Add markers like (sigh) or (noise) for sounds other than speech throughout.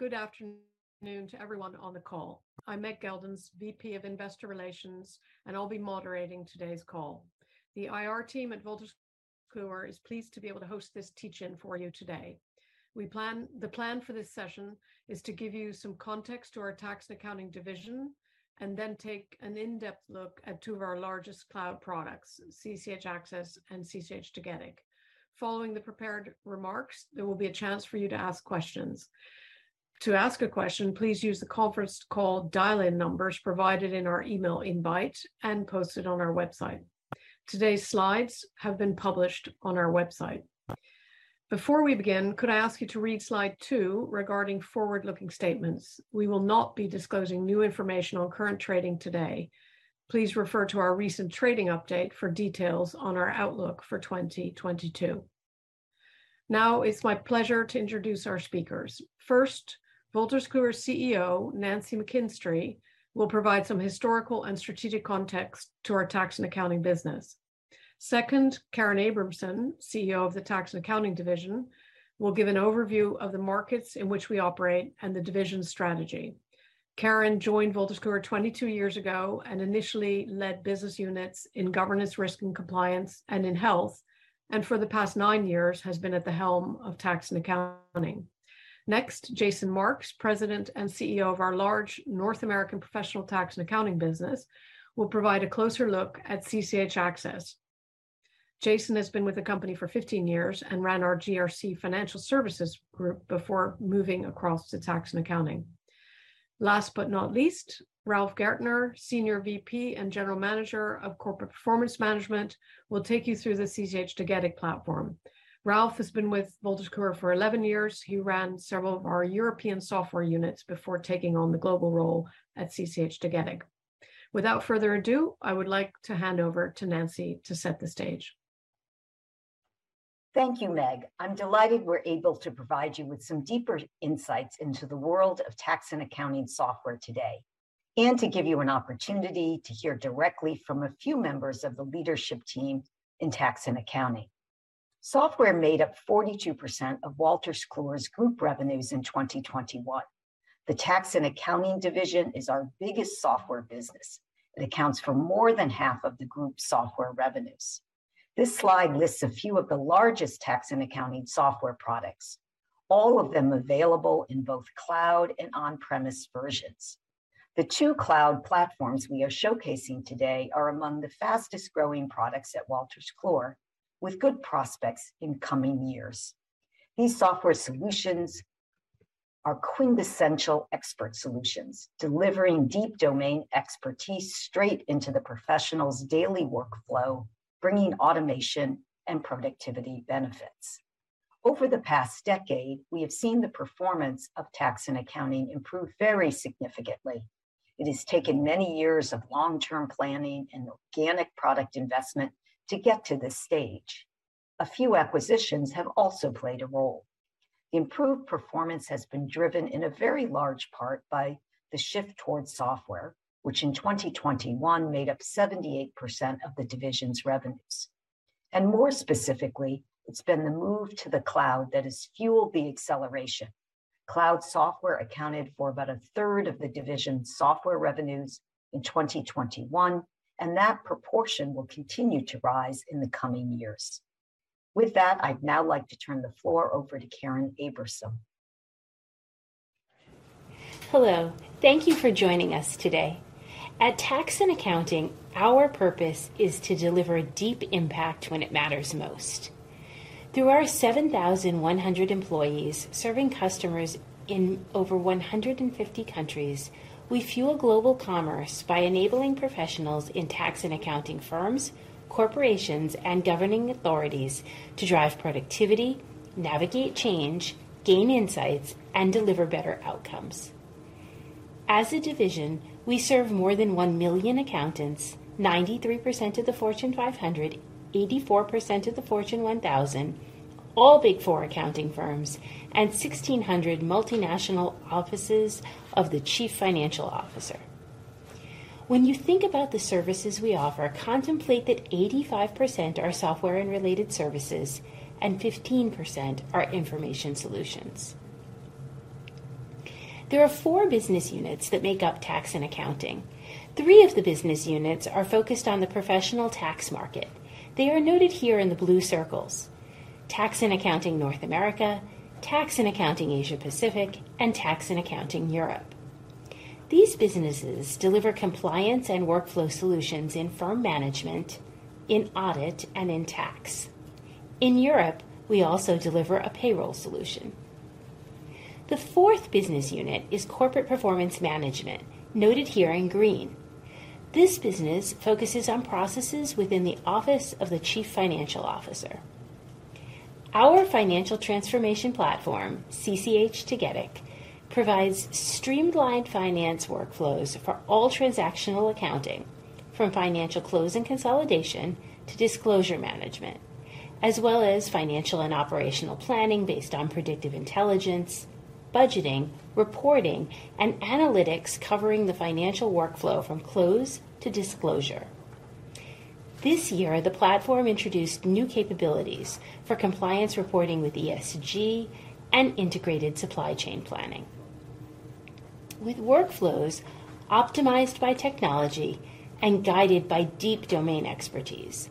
Good morning, and good afternoon to everyone on the call. I'm Meg Geldens, VP of Investor Relations, and I'll be moderating today's call. The IR team at Wolters Kluwer is pleased to be able to host this teach-in for you today. The plan for this session is to give you some context to our tax accounting division, and then take an in-depth look at two of our largest cloud products, CCH Axcess and CCH Tagetik. Following the prepared remarks, there will be a chance for you to ask questions. To ask a question, please use the conference call dial-in numbers provided in our email invite and posted on our website. Today's slides have been published on our website. Could I ask you to read slide two regarding forward-looking statements? We will not be disclosing new information on current trading today. Please refer to our recent trading update for details on our outlook for 2022. It's my pleasure to introduce our speakers. First, Wolters Kluwer's CEO, Nancy McKinstry, will provide some historical and strategic context to our Tax & Accounting business. Second, Karen Abramson, CEO of the Tax & Accounting division, will give an overview of the markets in which we operate and the division's strategy. Karen joined Wolters Kluwer 22 years ago and initially led business units in Governance, Risk & Compliance and in health, and for the past nine years has been at the helm of Tax & Accounting. Jason Marx, President and CEO of our large North American professional Tax & Accounting business, will provide a closer look at CCH Axcess. Jason has been with the company for 15 years and ran our GRC financial services group before moving across to Tax & Accounting. Last but not least, Ralf Gärtner, Senior VP and General Manager of Corporate Performance Solutions, will take you through the CCH Tagetik platform. Ralf has been with Wolters Kluwer for 11 years. He ran several of our European software units before taking on the global role at CCH Tagetik. Without further ado, I would like to hand over to Nancy McKinstry to set the stage. Thank you, Meg. I'm delighted we're able to provide you with some deeper insights into the world of tax and accounting software today, and to give you an opportunity to hear directly from a few members of the leadership team in tax and accounting. Software made up 42% of Wolters Kluwer's group revenues in 2021. The Tax & Accounting division is our biggest software business. It accounts for more than half of the group's software revenues. This slide lists a few of the largest tax and accounting software products, all of them available in both cloud and on-premise versions. The two cloud platforms we are showcasing today are among the fastest-growing products at Wolters Kluwer, with good prospects in coming years. These software solutions are quintessential expert solutions, delivering deep domain expertise straight into the professional's daily workflow, bringing automation and productivity benefits. Over the past decade, we have seen the performance of tax and accounting improve very significantly. It has taken many years of long-term planning and organic product investment to get to this stage. A few acquisitions have also played a role. Improved performance has been driven in a very large part by the shift towards software, which in 2021 made up 78% of the division's revenues. More specifically, it's been the move to the cloud that has fueled the acceleration. Cloud software accounted for about 1/3 of the division's software revenues in 2021, and that proportion will continue to rise in the coming years. With that, I'd now like to turn the floor over to Karen Abramson. Hello. Thank you for joining us today. At Tax & Accounting, our purpose is to deliver a deep impact when it matters most. Through our 7,100 employees, serving customers in over 150 countries, we fuel global commerce by enabling professionals in tax & accounting firms, corporations, and governing authorities to drive productivity, navigate change, gain insights, and deliver better outcomes. As a division, we serve more than one million accountants, 93% of the Fortune 500, 84% of the Fortune 1000, all Big Four accounting firms, and 1,600 multinational offices of the chief financial officer. When you think about the services we offer, contemplate that 85% are software and related services, and 15% are information solutions. There are four business units that make up Tax & Accounting. Three of the business units are focused on the professional tax market. They are noted here in the blue circles. Tax & Accounting North America, Tax & Accounting Asia Pacific, and Tax & Accounting Europe. These businesses deliver compliance and workflow solutions in firm management, in audit, and in tax. In Europe, we also deliver a payroll solution. The fourth business unit is Corporate Performance Management, noted here in green. This business focuses on processes within the Office of the Chief Financial Officer. Our financial transformation platform, CCH Tagetik, provides streamlined finance workflows for all transactional accounting, from financial close and consolidation to disclosure management, as well as financial and operational planning based on predictive intelligence, budgeting, reporting, and analytics covering the financial workflow from close to disclosure. This year, the platform introduced new capabilities for compliance reporting with ESG and integrated supply chain planning. With workflows optimized by technology and guided by deep domain expertise,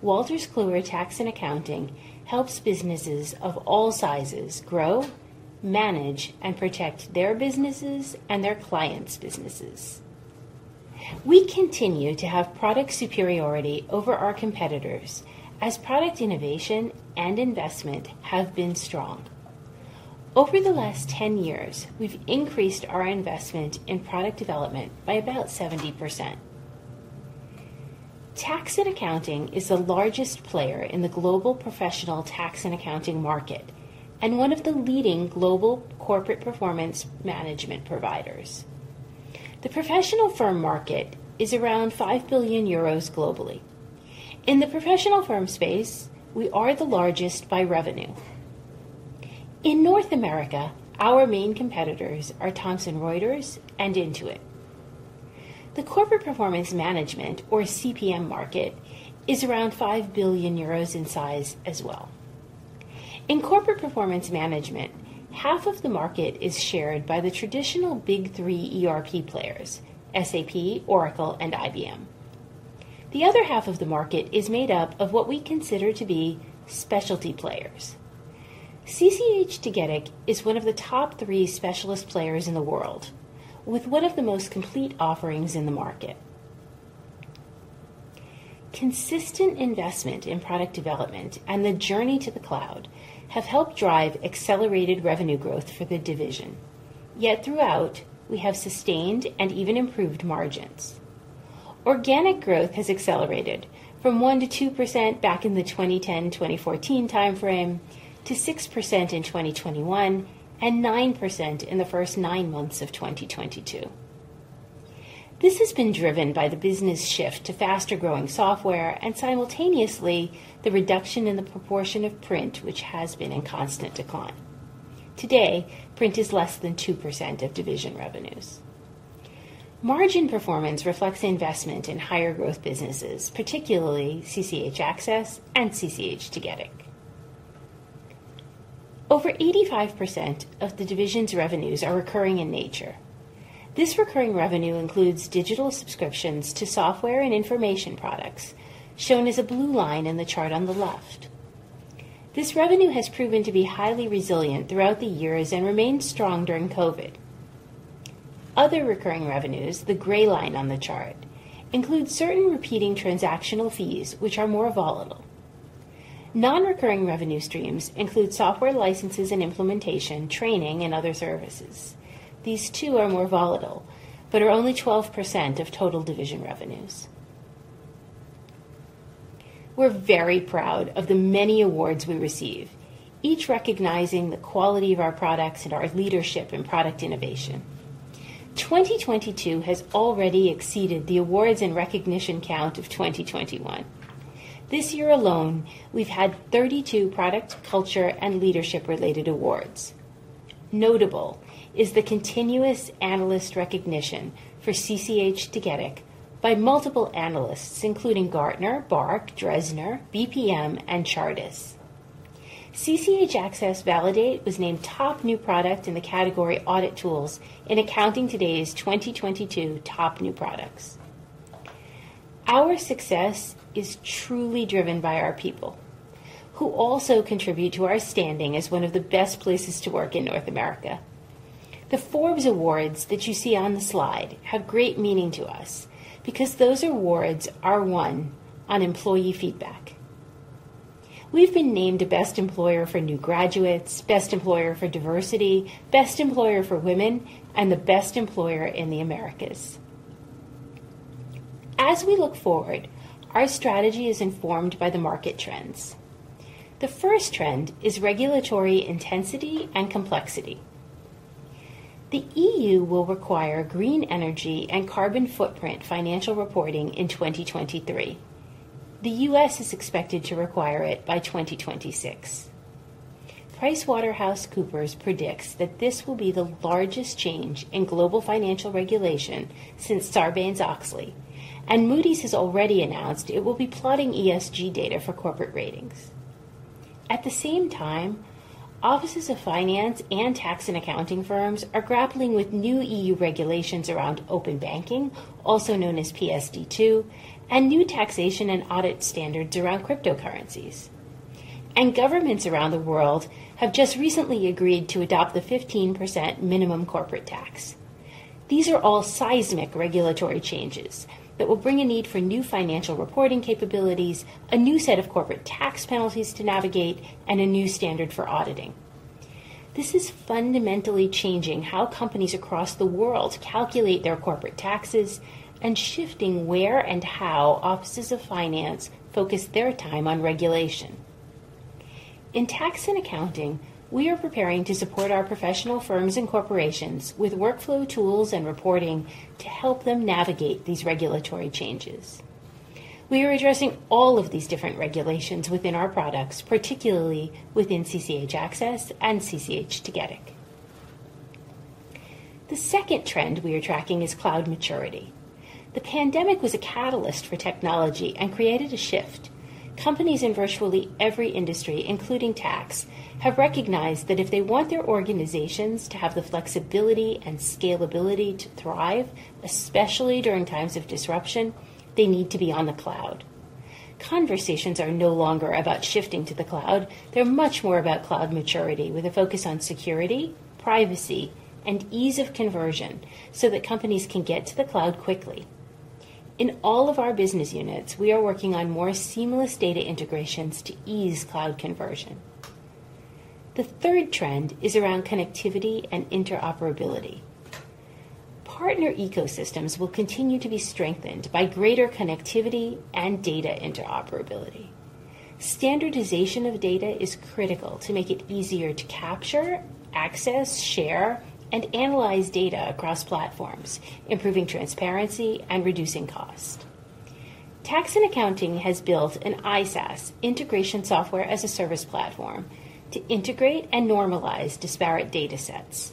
Wolters Kluwer Tax & Accounting helps businesses of all sizes grow, manage, and protect their businesses and their clients' businesses. We continue to have product superiority over our competitors as product innovation and investment have been strong. Over the last 10 years, we've increased our investment in product development by about 70%. Tax & Accounting is the largest player in the global professional tax & accounting market and one of the leading global Corporate Performance Management providers. The professional firm market is around 5 billion euros globally. In the professional firm space, we are the largest by revenue. In North America, our main competitors are Thomson Reuters and Intuit. The Corporate Performance Management or CPM market is around 5 billion euros in size as well. In Corporate Performance Management, half of the market is shared by the traditional Big 3 ERP players, SAP, Oracle, and IBM. The other half of the market is made up of what we consider to be specialty players. CCH Tagetik is one of the top three specialist players in the world with one of the most complete offerings in the market. Consistent investment in product development and the journey to the cloud have helped drive accelerated revenue growth for the division. Yet throughout, we have sustained and even improved margins. Organic growth has accelerated from 1%-2% back in the 2010-2014 timeframe to 6% in 2021 and 9% in the first 9 months of 2022. This has been driven by the business shift to faster-growing software and simultaneously the reduction in the proportion of print which has been in constant decline. Today, print is less than 2% of division revenues. Margin performance reflects investment in higher growth businesses, particularly CCH Axcess and CCH Tagetik. Over 85% of the division's revenues are recurring in nature. This recurring revenue includes digital subscriptions to software and information products, shown as a blue line in the chart on the left. This revenue has proven to be highly resilient throughout the years and remained strong during COVID. Other recurring revenues, the gray line on the chart, include certain repeating transactional fees which are more volatile. Non-recurring revenue streams include software licenses and implementation, training, and other services. These two are more volatile, but are only 12% of total division revenues. We're very proud of the many awards we receive, each recognizing the quality of our products and our leadership in product innovation. 2022 has already exceeded the awards and recognition count of 2021. This year alone, we've had 32 product, culture, and leadership-related awards. Notable is the continuous analyst recognition for CCH Tagetik by multiple analysts, including Gartner, BARC, Dresner, BPM, and Chartis. CCH Axcess Validate was named top new product in the category audit tools in Accounting Today's 2022 top new products. Our success is truly driven by our people who also contribute to our standing as one of the best places to work in North America. The Forbes awards that you see on the slide have great meaning to us because those awards are won on employee feedback. We've been named a best employer for new graduates, best employer for diversity, best employer for women, and the best employer in the Americas. As we look forward, our strategy is informed by the market trends. The first trend is regulatory intensity and complexity. The EU will require green energy and carbon footprint financial reporting in 2023. The US is expected to require it by 2026. PricewaterhouseCoopers predicts that this will be the largest change in global financial regulation since Sarbanes-Oxley. Moody's has already announced it will be plotting ESG data for corporate ratings. At the same time, offices of finance and tax, and accounting firms are grappling with new EU regulations around open banking, also known as PSD2, and new taxation and audit standards around cryptocurrencies. Governments around the world have just recently agreed to adopt the 15% minimum corporate tax. These are all seismic regulatory changes that will bring a need for new financial reporting capabilities, a new set of corporate tax penalties to navigate, and a new standard for auditing. This is fundamentally changing how companies across the world calculate their corporate taxes and shifting where and how offices of finance focus their time on regulation. In tax and accounting, we are preparing to support our professional firms and corporations with workflow tools and reporting to help them navigate these regulatory changes. We are addressing all of these different regulations within our products, particularly within CCH Axcess and CCH Tagetik. The second trend we are tracking is cloud maturity. The pandemic was a catalyst for technology and created a shift. Companies in virtually every industry, including tax, have recognized that if they want their organizations to have the flexibility and scalability to thrive, especially during times of disruption, they need to be on the cloud. Conversations are no longer about shifting to the cloud. They're much more about cloud maturity, with a focus on security, privacy, and ease of conversion so that companies can get to the cloud quickly. In all of our business units, we are working on more seamless data integrations to ease cloud conversion. The third trend is around connectivity and interoperability. Partner ecosystems will continue to be strengthened by greater connectivity and data interoperability. Standardization of data is critical to make it easier to capture, access, share, and analyze data across platforms, improving transparency and reducing cost. Tax & Accounting has built an iSaaS, Integration Software As a Service platform, to integrate and normalize disparate datasets.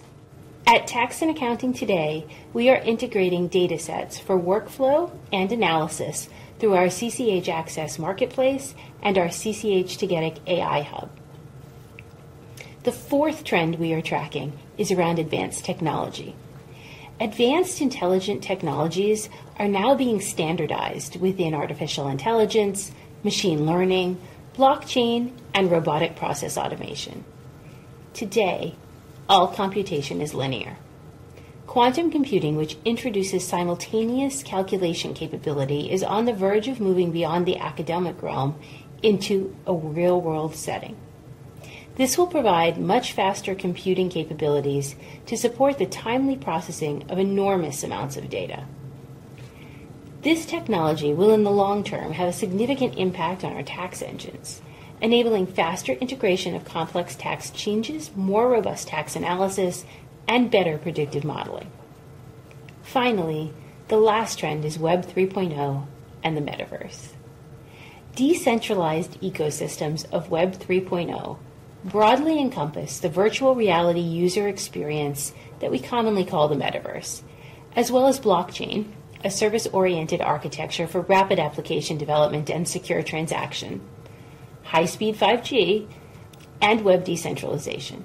At Tax & Accounting today, we are integrating datasets for workflow and analysis through our CCH Axcess Marketplace and our CCH Tagetik AI Hub. The fourth trend we are tracking is around advanced technology. Advanced intelligent technologies are now being standardized within artificial intelligence, machine learning, blockchain, and robotic process automation. Today, all computation is linear. Quantum computing, which introduces simultaneous calculation capability, is on the verge of moving beyond the academic realm into a real-world setting. This will provide much faster computing capabilities to support the timely processing of enormous amounts of data. This technology will, in the long term, have a significant impact on our tax engines, enabling faster integration of complex tax changes, more robust tax analysis, and better predictive modeling. The last trend is Web 3.0 and the Metaverse. Decentralized ecosystems of Web 3.0 broadly encompass the virtual reality user experience that we commonly call the Metaverse, as well as blockchain, a service-oriented architecture for rapid application development and secure transaction, high-speed 5G, and web decentralization.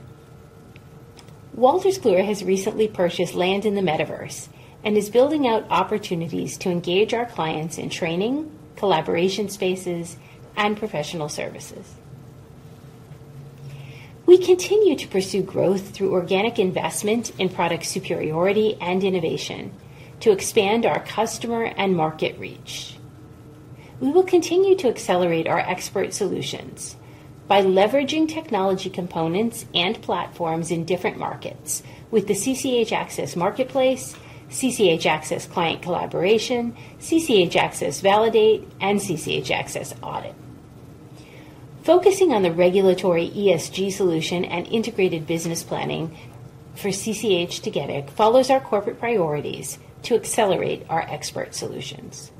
Wolters Kluwer has recently purchased land in the Metaverse and is building out opportunities to engage our clients in training, collaboration spaces, and professional services. We continue to pursue growth through organic investment in product superiority and innovation to expand our customer and market reach. We will continue to accelerate our expert solutions by leveraging technology components and platforms in different markets with the CCH Axcess Marketplace, CCH Axcess Client Collaboration, CCH Axcess Validate, and CCH Axcess Audit. Focusing on the regulatory ESG solution and integrated business planning for CCH Tagetik follows our corporate priorities to accelerate our expert solutions.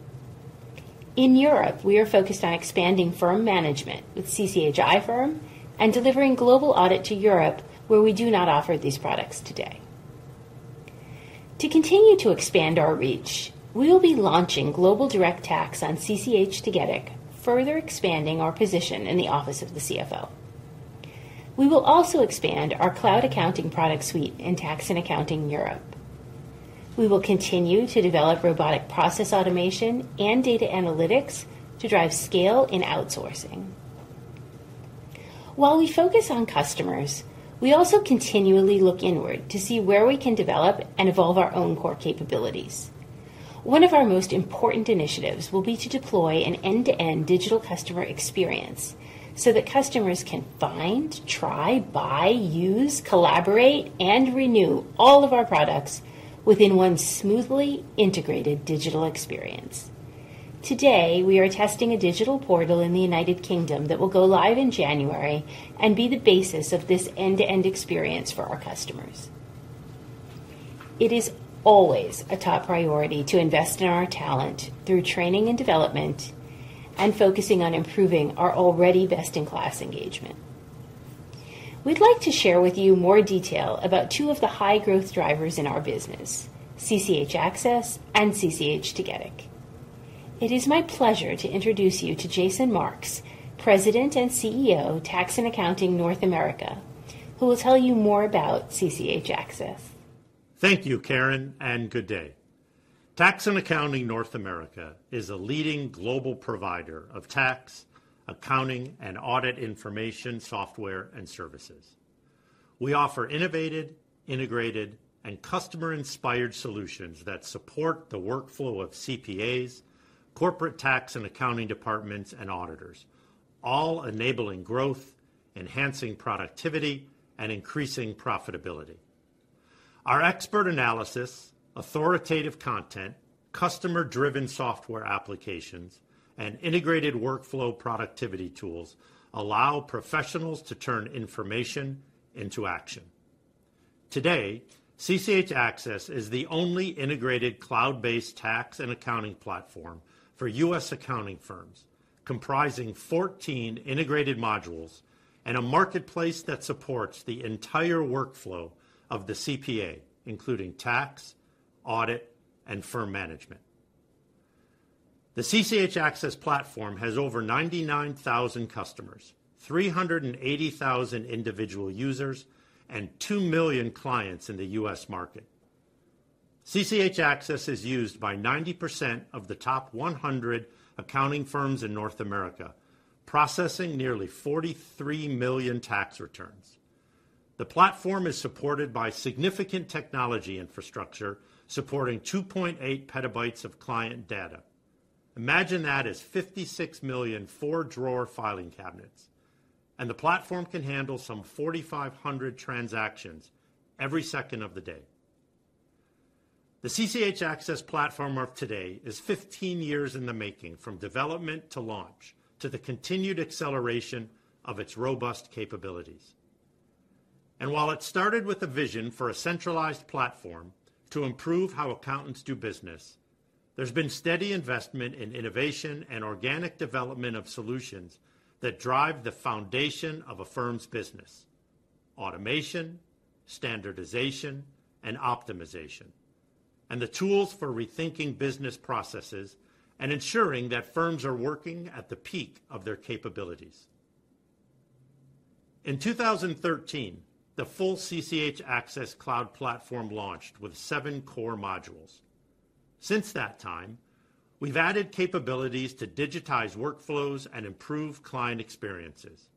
In Europe, we are focused on expanding firm management with CCH iFirm and delivering global audit to Europe, where we do not offer these products today. To continue to expand our reach, we will be launching global direct tax on CCH Tagetik, further expanding our position in the office of the CFO. We will also expand our cloud accounting product suite in Tax and Accounting Europe. We will continue to develop robotic process automation and data analytics to drive scale in outsourcing. While we focus on customers, we also continually look inward to see where we can develop and evolve our own core capabilities. One of our most important initiatives will be to deploy an end-to-end digital customer experience so that customers can find, try, buy, use, collaborate, and renew all of our products within one smoothly integrated digital experience. Today, we are testing a digital portal in the United Kingdom that will go live in January and be the basis of this end-to-end experience for our customers. It is always a top priority to invest in our talent through training and development and focusing on improving our already best-in-class engagement. We'd like to share with you more detail about two of the high-growth drivers in our business, CCH Axcess and CCH Tagetik. It is my pleasure to introduce you to Jason Marx, President and CEO, Tax & Accounting, North America, who will tell you more about CCH Axcess. Thank you, Jason. Good day. Tax and Accounting North America is a leading global provider of tax, accounting, and audit information, software, and services. We offer innovative, integrated, and customer-inspired solutions that support the workflow of CPAs, corporate tax and accounting departments, and auditors, all enabling growth, enhancing productivity, and increasing profitability. Our expert analysis, authoritative content, customer-driven software applications, and integrated workflow productivity tools allow professionals to turn information into action. Today, CCH Axcess is the only integrated cloud-based tax and accounting platform for U.S. accounting firms, comprising 14 integrated modules and a marketplace that supports the entire workflow of the CPA, including tax, audit, and firm management. The CCH Axcess Platform has over 99,000 customers, 380,000 individual users, and two million clients in the U.S. market. CCH Axcess is used by 90% of the top 100 accounting firms in North America, processing nearly 43 million tax returns. The platform is supported by significant technology infrastructure, supporting 2.8 petabytes of client data. Imagine that as 56 million four-drawer filing cabinets, the platform can handle some 4,500 transactions every second of the day. The CCH Axcess Platform of today is 15 years in the making from development to launch to the continued acceleration of its robust capabilities. While it started with a vision for a centralized platform to improve how accountants do business, there's been steady investment in innovation and organic development of solutions that drive the foundation of a firm's business: automation, standardization, and optimization, and the tools for rethinking business processes and ensuring that firms are working at the peak of their capabilities. In 2013, the full CCH Axcess cloud platform launched with seven core modules. Since that time, we've added capabilities to digitize workflows and improve client experiences.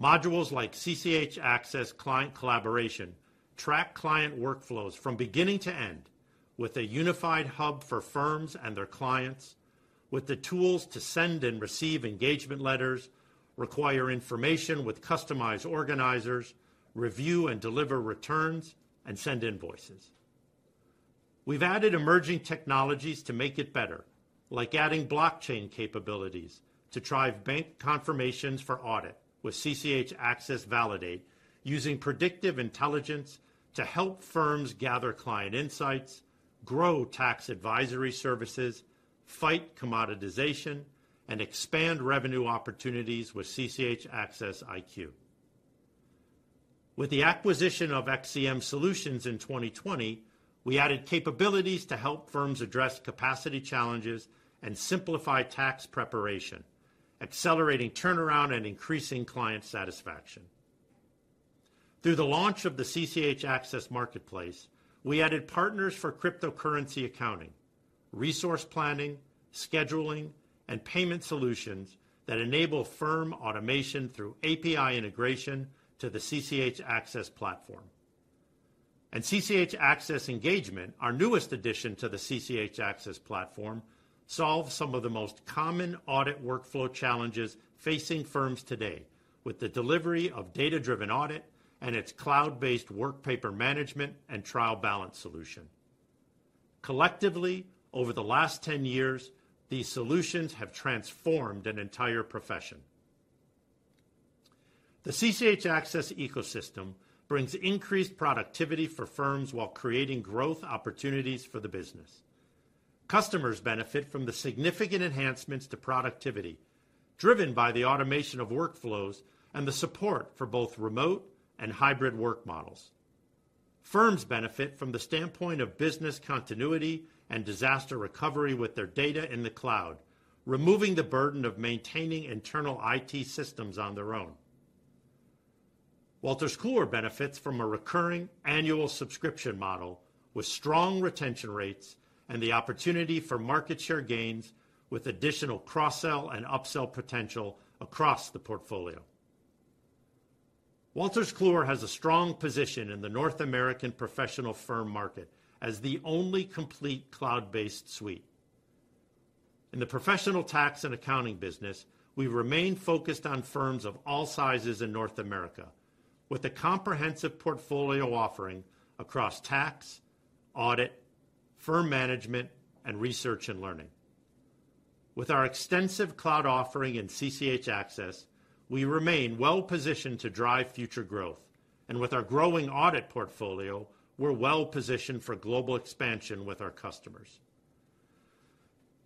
Modules like CCH Axcess Client Collaboration track client workflows from beginning to end with a unified hub for firms and their clients with the tools to send and receive engagement letters, require information with customized organizers, review and deliver returns, and send invoices. We've added emerging technologies to make it better, like adding blockchain capabilities to drive bank confirmations for audit with CCH Axcess Validate, using predictive intelligence to help firms gather client insights, grow tax advisory services, fight commoditization, and expand revenue opportunities with CCH Axcess iQ. With the acquisition of XCM Solutions in 2020, we added capabilities to help firms address capacity challenges and simplify tax preparation, accelerating turnaround and increasing client satisfaction. Through the launch of the CCH Axcess Marketplace, we added partners for cryptocurrency accounting, resource planning, scheduling, and payment solutions that enable firm automation through API integration to the CCH Axcess Platform. CCH Axcess Engagement, our newest addition to the CCH Axcess Platform, solves some of the most common audit workflow challenges facing firms today with the delivery of data-driven audit and its cloud-based work paper management and trial balance solution. Collectively, over the last 10 years, these solutions have transformed an entire profession. The CCH Axcess ecosystem brings increased productivity for firms while creating growth opportunities for the business. Customers benefit from the significant enhancements to productivity driven by the automation of workflows and the support for both remote and hybrid work models. Firms benefit from the standpoint of business continuity and disaster recovery with their data in the cloud, removing the burden of maintaining internal IT systems on their own. Wolters Kluwer benefits from a recurring annual subscription model with strong retention rates and the opportunity for market share gains with additional cross-sell and upsell potential across the portfolio. Wolters Kluwer has a strong position in the North American professional firm market as the only complete cloud-based suite. In the professional tax and accounting business, we remain focused on firms of all sizes in North America with a comprehensive portfolio offering across tax, audit, firm management, and research and learning. With our extensive cloud offering in CCH Axcess, we remain well-positioned to drive future growth. With our growing audit portfolio, we're well-positioned for global expansion with our customers.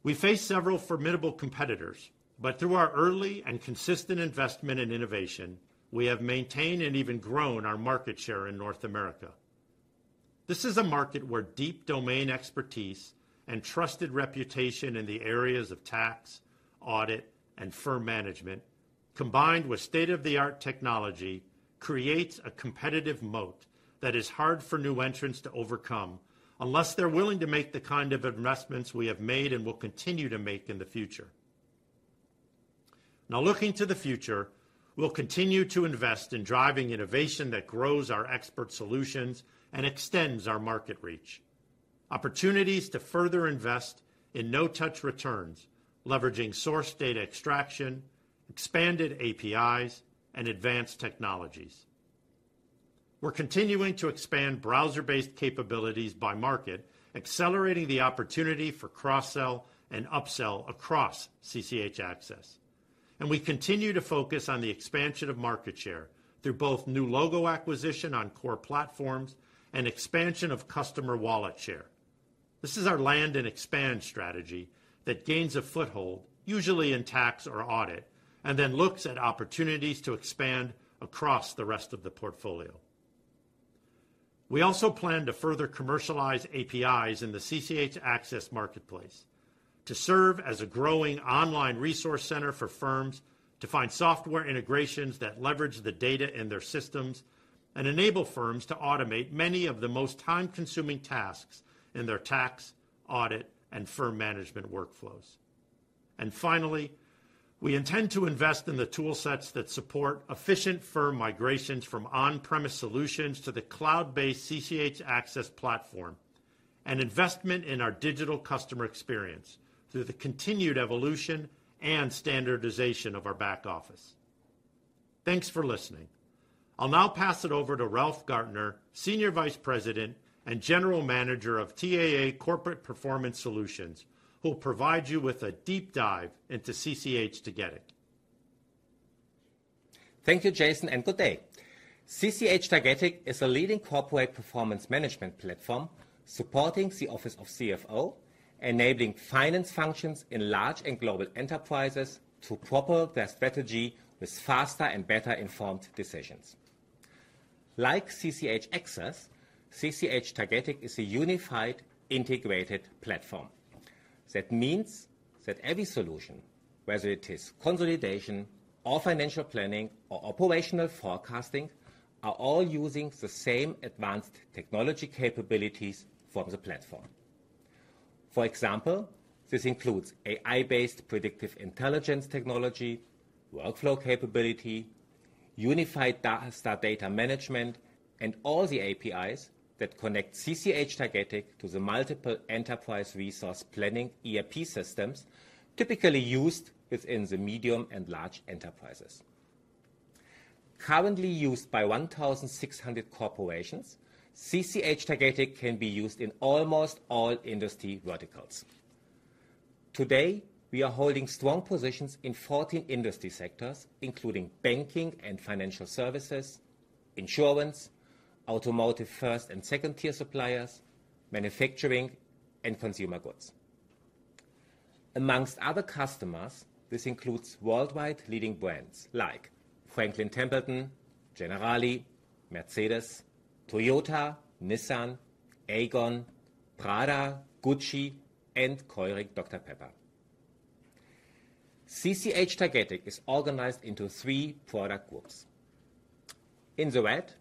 We face several formidable competitors, but through our early and consistent investment in innovation, we have maintained and even grown our market share in North America. This is a market where deep domain expertise and trusted reputation in the areas of tax, audit, and firm management, combined with state-of-the-art technology, creates a competitive moat that is hard for new entrants to overcome unless they're willing to make the kind of investments we have made and will continue to make in the future. Now looking to the future, we'll continue to invest in driving innovation that grows our expert solutions and extends our market reach. Opportunities to further invest in no-touch returns, leveraging source data extraction, expanded APIs, and advanced technologies. We're continuing to expand browser-based capabilities by market, accelerating the opportunity for cross-sell and upsell across CCH Axcess. We continue to focus on the expansion of market share through both new logo acquisition on core platforms and expansion of customer wallet share. This is our land and expand strategy that gains a foothold, usually in tax or audit, and then looks at opportunities to expand across the rest of the portfolio. We also plan to further commercialize APIs in the CCH Axcess Marketplace to serve as a growing online resource center for firms to find software integrations that leverage the data in their systems and enable firms to automate many of the most time-consuming tasks in their tax, audit, and firm management workflows. Finally, we intend to invest in the tool sets that support efficient firm migrations from on-premise solutions to the cloud-based CCH Axcess platform and investment in our digital customer experience through the continued evolution and standardization of our back office. Thanks for listening. I'll now pass it over to Ralf Gärtner, Senior Vice President and General Manager of TAA Corporate Performance Solutions, who will provide you with a deep dive into CCH Tagetik. Thank you, Jason, and good day. CCH Tagetik is a leading Corporate Performance Management platform supporting the office of CFO, enabling finance functions in large and global enterprises to propel their strategy with faster and better-informed decisions. Like CCH Axcess, CCH Tagetik is a unified, integrated platform. That means that every solution, whether it is consolidation or financial planning or operational forecasting, are all using the same advanced technology capabilities from the platform. For example, this includes AI-based predictive intelligence technology, workflow capability, unified data management, and all the APIs that connect CCH Tagetik to the multiple enterprise resource planning ERP systems typically used within the medium and large enterprises. Currently used by 1,600 corporations, CCH Tagetik can be used in almost all industry verticals. Today, we are holding strong positions in 14 industry sectors, including banking and financial services, insurance, automotive first and second-tier suppliers, manufacturing, and consumer goods. Amongst other customers, this includes worldwide leading brands like Franklin Templeton, Generali, Mercedes, Toyota, Nissan, Aegon, Prada, Gucci, and Keurig Dr Pepper. CCH Tagetik is organized into three product groups. In the red,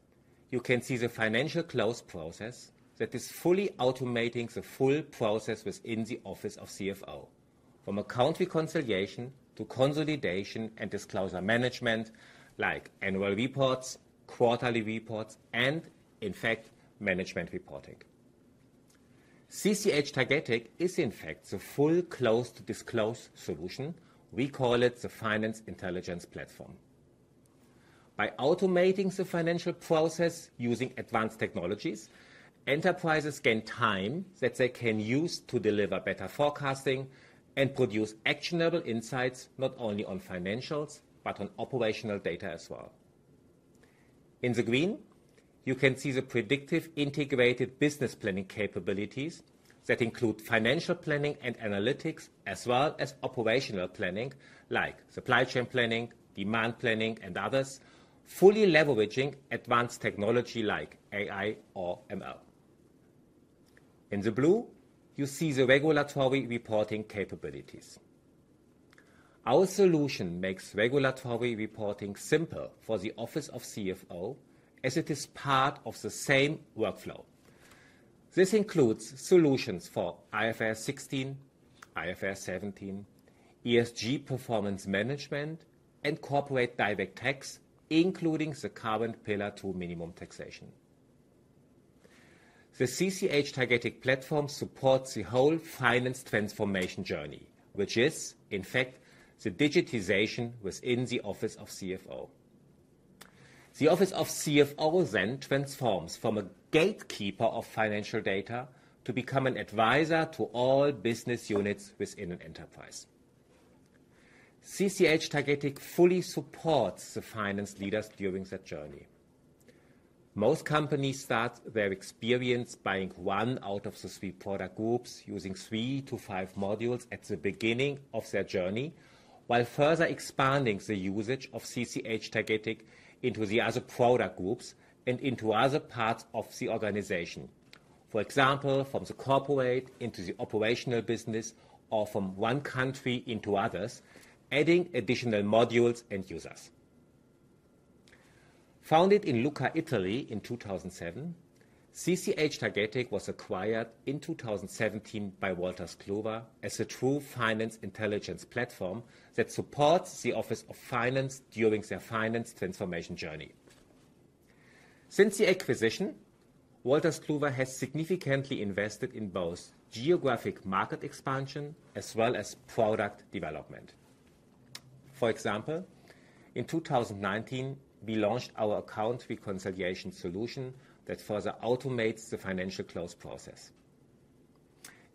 you can see the financial close process that is fully automating the full process within the office of CFO, from account reconciliation to consolidation and disclosure management, like annual reports, quarterly reports, and, in fact, management reporting. CCH Tagetik is, in fact, the full close to disclose solution. We call it the Finance Intelligence Platform. By automating the financial process using advanced technologies, enterprises gain time that they can use to deliver better forecasting and produce actionable insights, not only on financials, but on operational data as well. In the green, you can see the predictive integrated business planning capabilities that include financial planning and analytics as well as operational planning, like supply chain planning, demand planning, and others, fully leveraging advanced technology like AI or ML. In the blue, you see the regulatory reporting capabilities. Our solution makes regulatory reporting simple for the office of CFO as it is part of the same workflow. This includes solutions for IFRS 16, IFRS 17, ESG performance management, and corporate direct tax, including the current Pillar Two minimum taxation. The CCH Tagetik platform supports the whole finance transformation journey, which is, in fact, the digitization within the office of CFO. The office of CFO transforms from a gatekeeper of financial data to become an advisor to all business units within an enterprise. CCH Tagetik fully supports the finance leaders during their journey. Most companies start their experience buying one out of the three product groups, using three to five modules at the beginning of their journey, while further expanding the usage of CCH Tagetik into the other product groups and into other parts of the organization. For example, from the corporate into the operational business or from 1 country into others, adding additional modules and users. Founded in Lucca, Italy in 2007, CCH Tagetik was acquired in 2017 by Wolters Kluwer as a true finance intelligence platform that supports the office of finance during their finance transformation journey. Since the acquisition, Wolters Kluwer has significantly invested in both geographic market expansion as well as product development. For example, in 2019, we launched our account reconciliation solution that further automates the financial close process.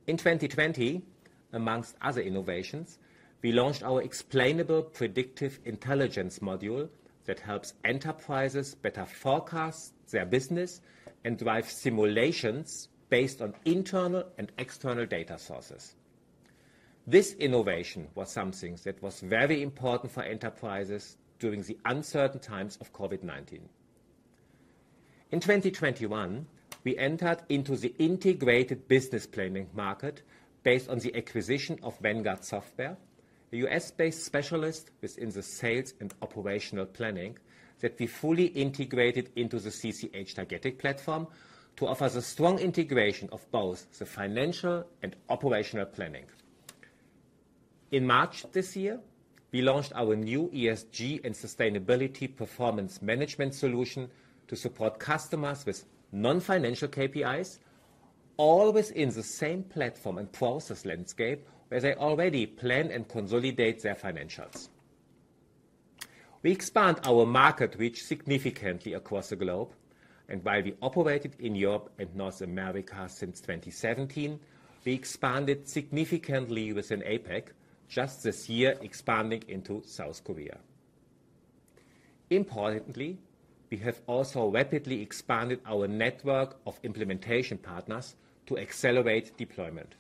In 2020, amongst other innovations, we launched our explainable predictive intelligence module that helps enterprises better forecast their business and drive simulations based on internal and external data sources. This innovation was something that was very important for enterprises during the uncertain times of COVID-19. In 2021, we entered into the integrated business planning market based on the acquisition of Vanguard Software, a US-based specialist within the sales and operational planning that we fully integrated into the CCH Tagetik platform to offer the strong integration of both the financial and operational planning. In March this year, we launched our new ESG and sustainability performance management solution to support customers with non-financial KPIs, all within the same platform and process landscape where they already plan and consolidate their financials. We expand our market reach significantly across the globe, and while we operated in Europe and North America since 2017, we expanded significantly within APAC, just this year expanding into South Korea. Importantly, we have also rapidly expanded our network of implementation partners to accelerate deployment.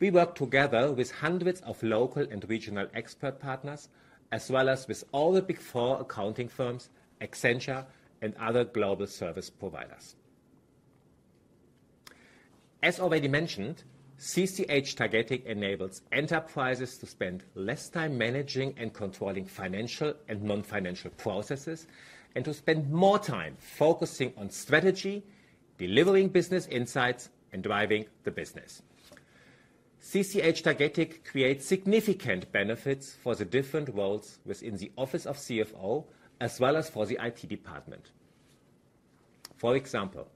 We work together with hundreds of local and regional expert partners, as well as with all the Big Four accounting firms, Accenture, and other global service providers. As already mentioned, CCH Tagetik enables enterprises to spend less time managing and controlling financial and non-financial processes, and to spend more time focusing on strategy, delivering business insights, and driving the business. CCH Tagetik creates significant benefits for the different worlds within the office of CFO as well as for the IT department. For example,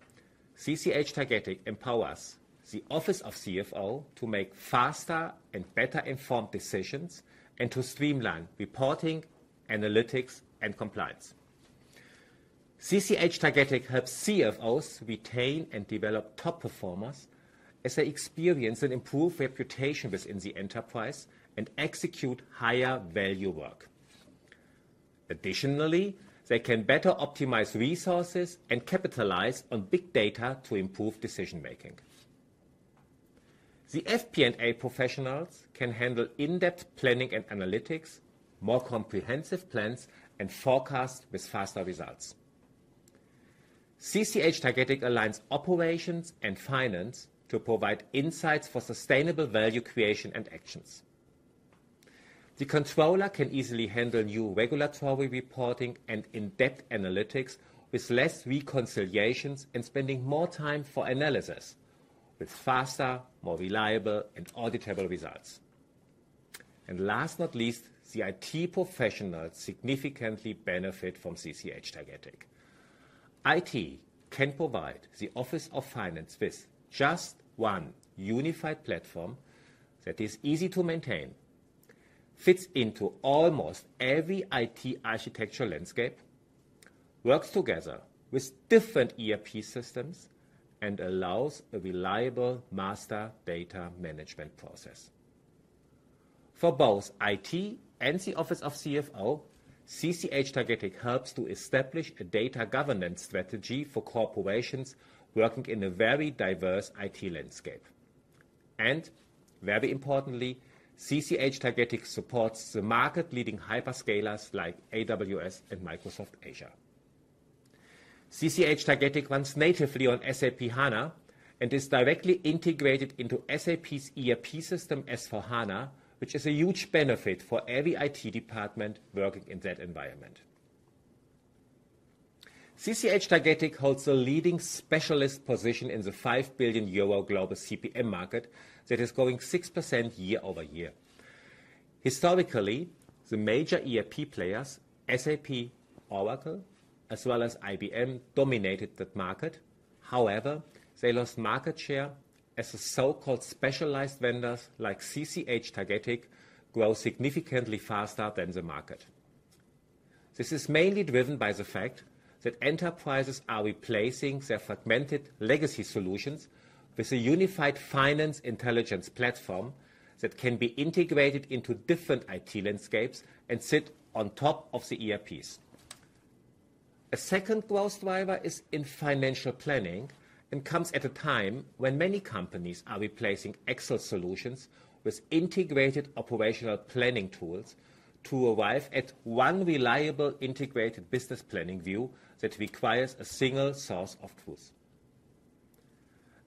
CCH Tagetik empowers the office of CFO to make faster and better informed decisions and to streamline reporting, analytics, and compliance. CCH Tagetik helps CFOs retain and develop top performers as they experience and improve reputation within the enterprise and execute higher value work. Additionally, they can better optimize resources and capitalize on big data to improve decision-making. The FP&A professionals can handle in-depth planning and analytics, more comprehensive plans, and forecast with faster results. CCH Tagetik aligns operations and finance to provide insights for sustainable value creation and actions. The controller can easily handle new regulatory reporting and in-depth analytics with less reconciliations and spending more time for analysis with faster, more reliable, and auditable results. Last but least, the IT professionals significantly benefit from CCH Tagetik. IT can provide the office of finance with just one unified platform that is easy to maintain, fits into almost every IT architecture landscape, works together with different ERP systems, and allows a reliable master data management process. For both IT and the office of CFO, CCH Tagetik helps to establish a data governance strategy for corporations working in a very diverse IT landscape. Very importantly, CCH Tagetik supports the market leading hyperscalers like AWS and Microsoft Azure. CCH Tagetik runs natively on SAP HANA and is directly integrated into SAP's ERP system S/4HANA, which is a huge benefit for every IT department working in that environment. CCH Tagetik holds a leading specialist position in the 5 billion euro global CPM market that is growing 6% year-over-year. Historically, the major ERP players, SAP, Oracle, as well as IBM, dominated that market. They lost market share as the so-called specialized vendors like CCH Tagetik grow significantly faster than the market. This is mainly driven by the fact that enterprises are replacing their fragmented legacy solutions with a unified finance intelligence platform that can be integrated into different IT landscapes and sit on top of the ERPs. A second growth driver is in financial planning and comes at a time when many companies are replacing Excel solutions with integrated operational planning tools to arrive at one reliable integrated business planning view that requires a single source of truth.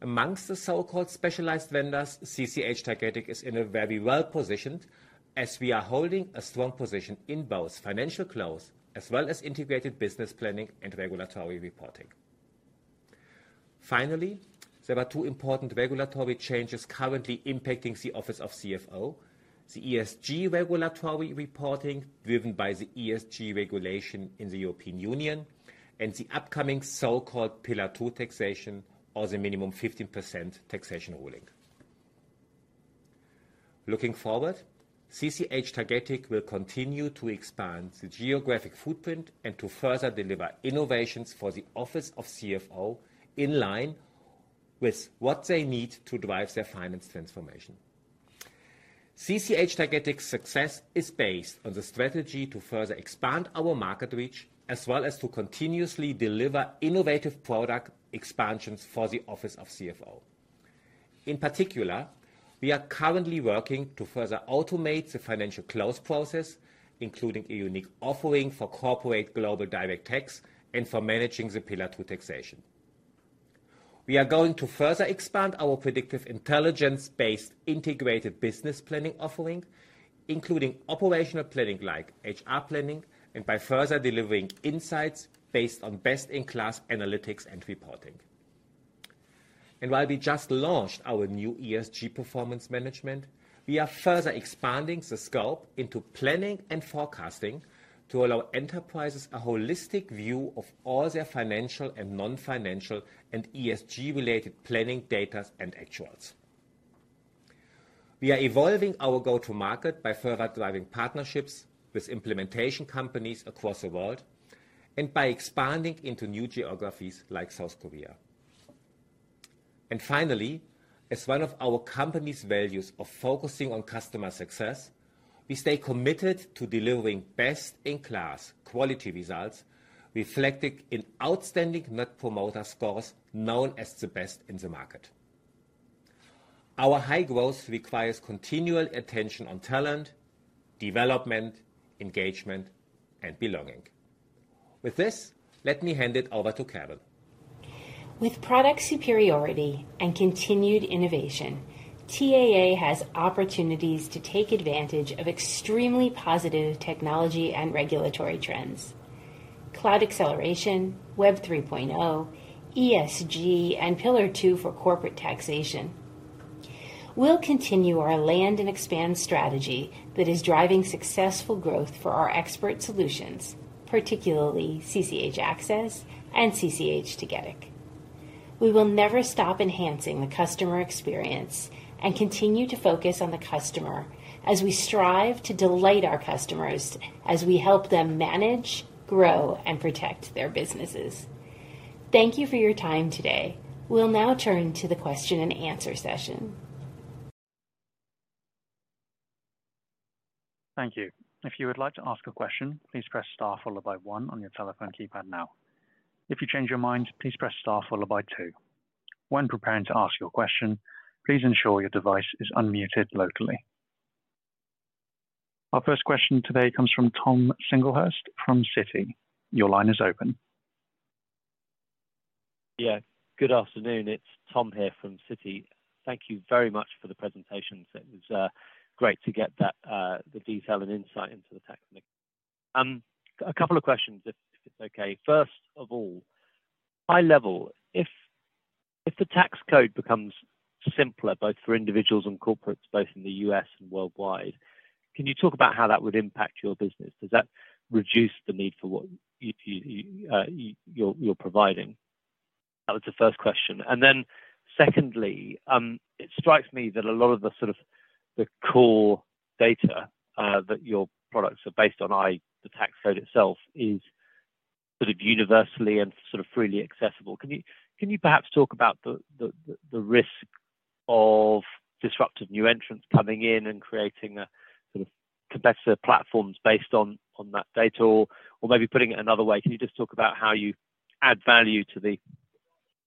Amongst the so-called specialized vendors, CCH Tagetik is in a very well-positioned as we are holding a strong position in both financial close as well as integrated business planning and regulatory reporting. Finally, there are 2 important regulatory changes currently impacting the office of CFO. The ESG regulatory reporting driven by the ESG regulation in the European Union, and the upcoming so-called Pillar Two taxation or the minimum 15% taxation ruling. Looking forward, CCH Tagetik will continue to expand the geographic footprint and to further deliver innovations for the office of CFO in line with what they need to drive their finance transformation. CCH Tagetik's success is based on the strategy to further expand our market reach as well as to continuously deliver innovative product expansions for the office of CFO. In particular, we are currently working to further automate the financial close process, including a unique offering for corporate global direct tax and for managing the Pillar Two taxation. We are going to further expand our predictive intelligence-based integrated business planning offering, including operational planning like HR planning and by further delivering insights based on best-in-class analytics and reporting. While we just launched our new ESG performance management, we are further expanding the scope into planning and forecasting to allow enterprises a holistic view of all their financial and non-financial and ESG-related planning data and actuals. We are evolving our go-to-market by further driving partnerships with implementation companies across the world and by expanding into new geographies like South Korea. Finally, as one of our company's values of focusing on customer success, we stay committed to delivering best-in-class quality results reflected in outstanding net promoter scores known as the best in the market. Our high growth requires continual attention on talent, development, engagement, and belonging. With this, let me hand it over to Karen. With product superiority and continued innovation, TAA has opportunities to take advantage of extremely positive technology and regulatory trends. Cloud acceleration, Web 3.0, ESG, and Pillar Two for corporate taxation. We'll continue our land and expand strategy that is driving successful growth for our expert solutions, particularly CCH Axcess and CCH Tagetik. We will never stop enhancing the customer experience and continue to focus on the customer as we strive to delight our customers as we help them manage, grow, and protect their businesses. Thank you for your time today. We'll now turn to the question and answer session. Thank you. If you would like to ask a question, please press star followed by one on your telephone keypad now. If you change your mind, please press star followed by two. When preparing to ask your question, please ensure your device is unmuted locally. Our first question today comes from Thomas Singlehurst from Citi. Your line is open. Good afternoon. It's Tom here from Citi. Thank you very much for the presentations. It was great to get that the detail and insight into the tech mix. A couple of questions if it's okay. First of all, high level, if the tax code becomes simpler, both for individuals and corporates, both in the U.S. and worldwide, can you talk about how that would impact your business? Does that reduce the need for what you're providing? That was the first question. Secondly, it strikes me that a lot of the sort of the core data that your products are based on, i.e. the tax code itself, is sort of universally and sort of freely accessible. Can you perhaps talk about the risk of disruptive new entrants coming in and creating a sort of competitor platforms based on that data? Or maybe putting it another way, can you just talk about how you add value to the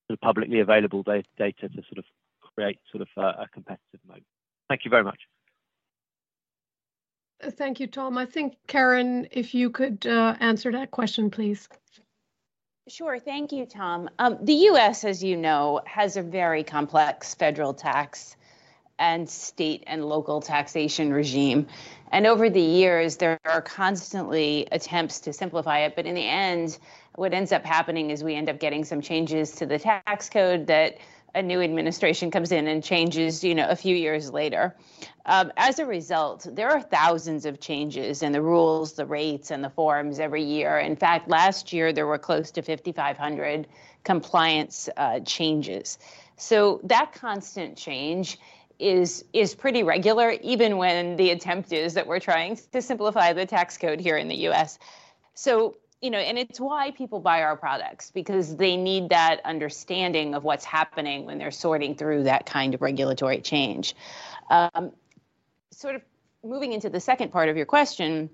sort of publicly available data to sort of create a competitive mode? Thank you very much. Thank you, Tom. I think, Karen, if you could answer that question, please. Sure. Thank you, Tom. The U.S., as you know, has a very complex federal tax and state and local taxation regime. Over the years, there are constantly attempts to simplify it. In the end, what ends up happening is we end up getting some changes to the tax code that a new administration comes in and changes, you know, a few years later. As a result, there are thousands of changes in the rules, the rates, and the forms every year. In fact, last year, there were close to 5,500 compliance changes. That constant change is pretty regular, even when the attempt is that we're trying to simplify the tax code here in the U.S. You know, it's why people buy our products because they need that understanding of what's happening when they're sorting through that kind of regulatory change. Sort of moving into the second part of your question,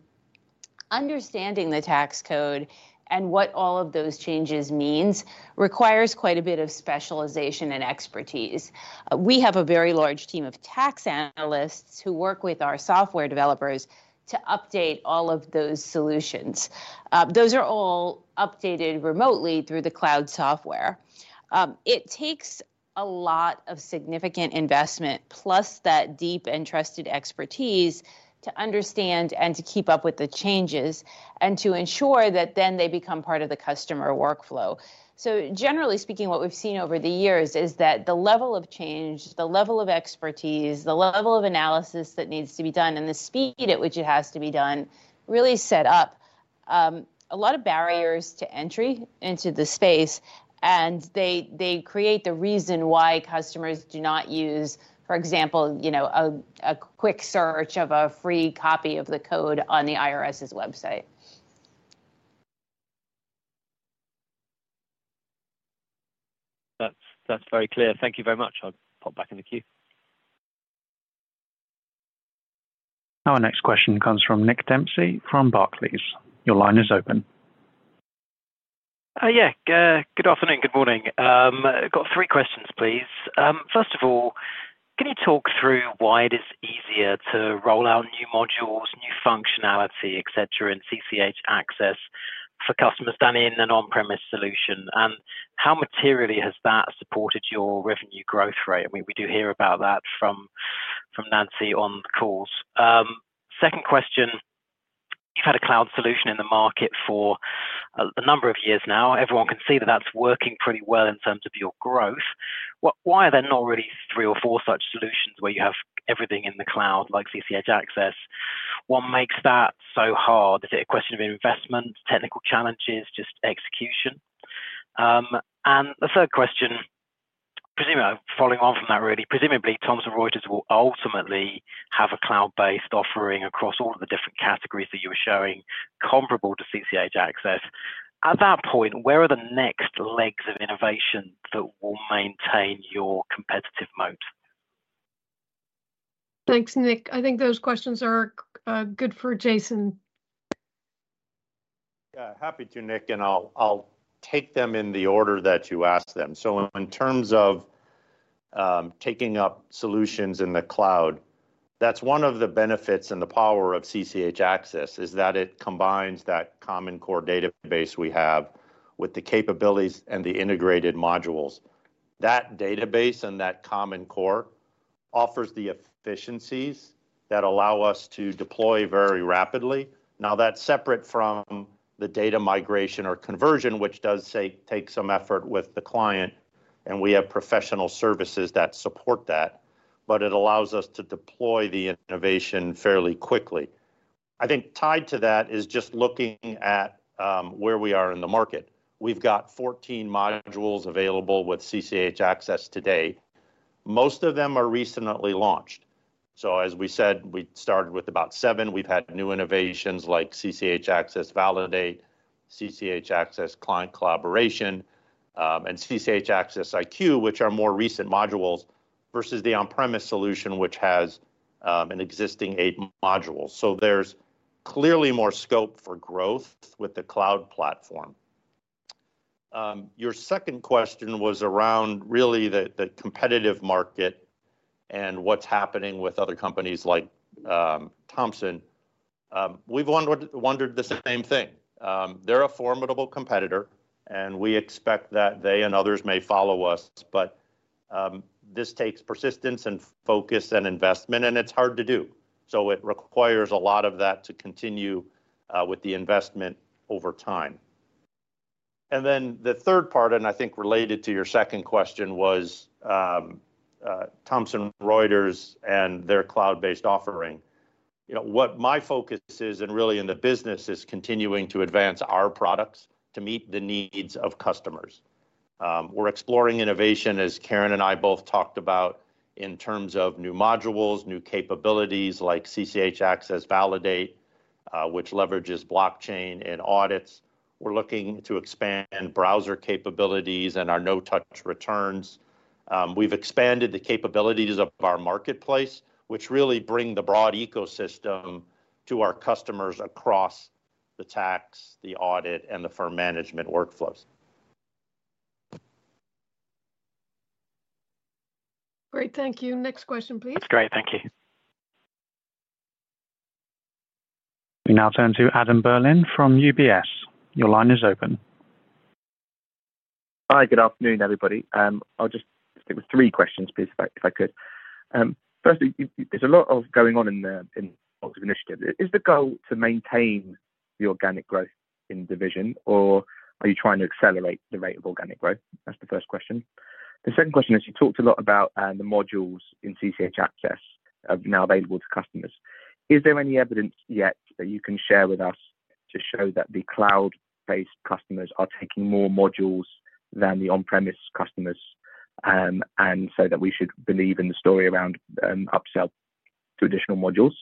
understanding the tax code and what all of those changes means requires quite a bit of specialization and expertise. We have a very large team of tax analysts who work with our software developers to update all of those solutions. Those are all updated remotely through the cloud software. It takes a lot of significant investment plus that deep and trusted expertise to understand and to keep up with the changes and to ensure that then they become part of the customer workflow. Generally speaking, what we've seen over the years is that the level of change, the level of expertise, the level of analysis that needs to be done, and the speed at which it has to be done really set upA lot of barriers to entry into the space, and they create the reason why customers do not use, for example, you know, a quick search of a free copy of the code on the IRS's website. That's very clear. Thank you very much. I'll pop back in the queue. Our next question comes from Nick Dempsey from Barclays. Your line is open. Good afternoon. Good morning. Got three questions, please. First of all, can you talk through why it is easier to roll out new modules, new functionality, et cetera, in CCH Axcess for customers than in an on-premise solution? How materially has that supported your revenue growth rate? I mean, we do hear about that from Nancy on calls. Second question, you've had a cloud solution in the market for a number of years now. Everyone can see that that's working pretty well in terms of your growth. Why are there not really 3 or 4 such solutions where you have everything in the cloud like CCH Axcess? What makes that so hard? Is it a question of investment, technical challenges, just execution? The third question, following on from that, really. Presumably, Thomson Reuters will ultimately have a cloud-based offering across all of the different categories that you were showing comparable to CCH Axcess. At that point, where are the next legs of innovation that will maintain your competitive moat? Thanks, Nick. I think those questions are good for Jason. Yeah, happy to, Nick, and I'll take them in the order that you asked them. In terms of taking up solutions in the cloud, that's one of the benefits and the power of CCH Axcess, is that it combines that common core database we have with the capabilities and the integrated modules. That database and that common core offers the efficiencies that allow us to deploy very rapidly. That's separate from the data migration or conversion, which does, say, take some effort with the client, and we have professional services that support that. It allows us to deploy the innovation fairly quickly. I think tied to that is just looking at where we are in the market. We've got 14 modules available with CCH Axcess today. Most of them are recently launched. As we said, we started with about seven. We've had new innovations like CCH Axcess Validate, CCH Axcess Client Collaboration, and CCH Axcess iQ, which are more recent modules, versus the on-premise solution, which has an existing eight modules. There's clearly more scope for growth with the cloud platform. Your second question was around really the competitive market and what's happening with other companies like Thomson. We've wondered the same thing. They're a formidable competitor, and we expect that they and others may follow us. This takes persistence and focus and investment, and it's hard to do. It requires a lot of that to continue with the investment over time. The third part, and I think related to your second question, was Thomson Reuters and their cloud-based offering. You know, what my focus is, and really in the business, is continuing to advance our products to meet the needs of customers. We're exploring innovation, as Karen and I both talked about, in terms of new modules, new capabilities like CCH Axcess Validate, which leverages blockchain and audits. We're looking to expand browser capabilities and our no-touch returns. We've expanded the capabilities of our marketplace, which really bring the broad ecosystem to our customers across the tax, the audit, and the firm management workflows. Great. Thank you. Next question, please. That's great. Thank you. We now turn to Adam Berlin from UBS. Your line is open. Hi. Good afternoon, everybody. I'll just stick with three questions, please, if I could. Firstly, there's a lot going on in lots of initiatives. Is the goal to maintain the organic growth in division, or are you trying to accelerate the rate of organic growth? That's the first question. The second question is, you talked a lot about the modules in CCH Axcess now available to customers. Is there any evidence yet that you can share with us to show that the cloud-based customers are taking more modules than the on-premise customers, and so that we should believe in the story around upsell to additional modules?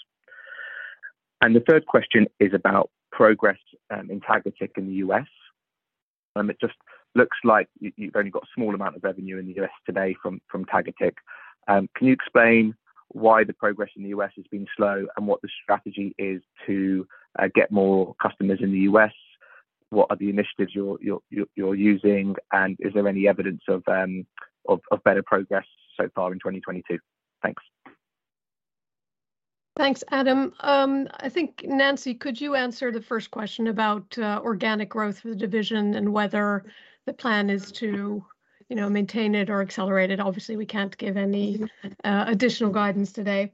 The third question is about progress in Tagetik in the U.S. It just looks like you've only got a small amount of revenue in the U.S. today from Tagetik. Can you explain why the progress in the U.S. has been slow and what the strategy is to get more customers in the U.S.? What are the initiatives you're using, and is there any evidence of better progress so far in 2022? Thanks. Thanks, Adam. I think, Nancy, could you answer the first question about organic growth for the division and whether the plan is to, you know, maintain it or accelerate it? Obviously, we can't give any additional guidance today.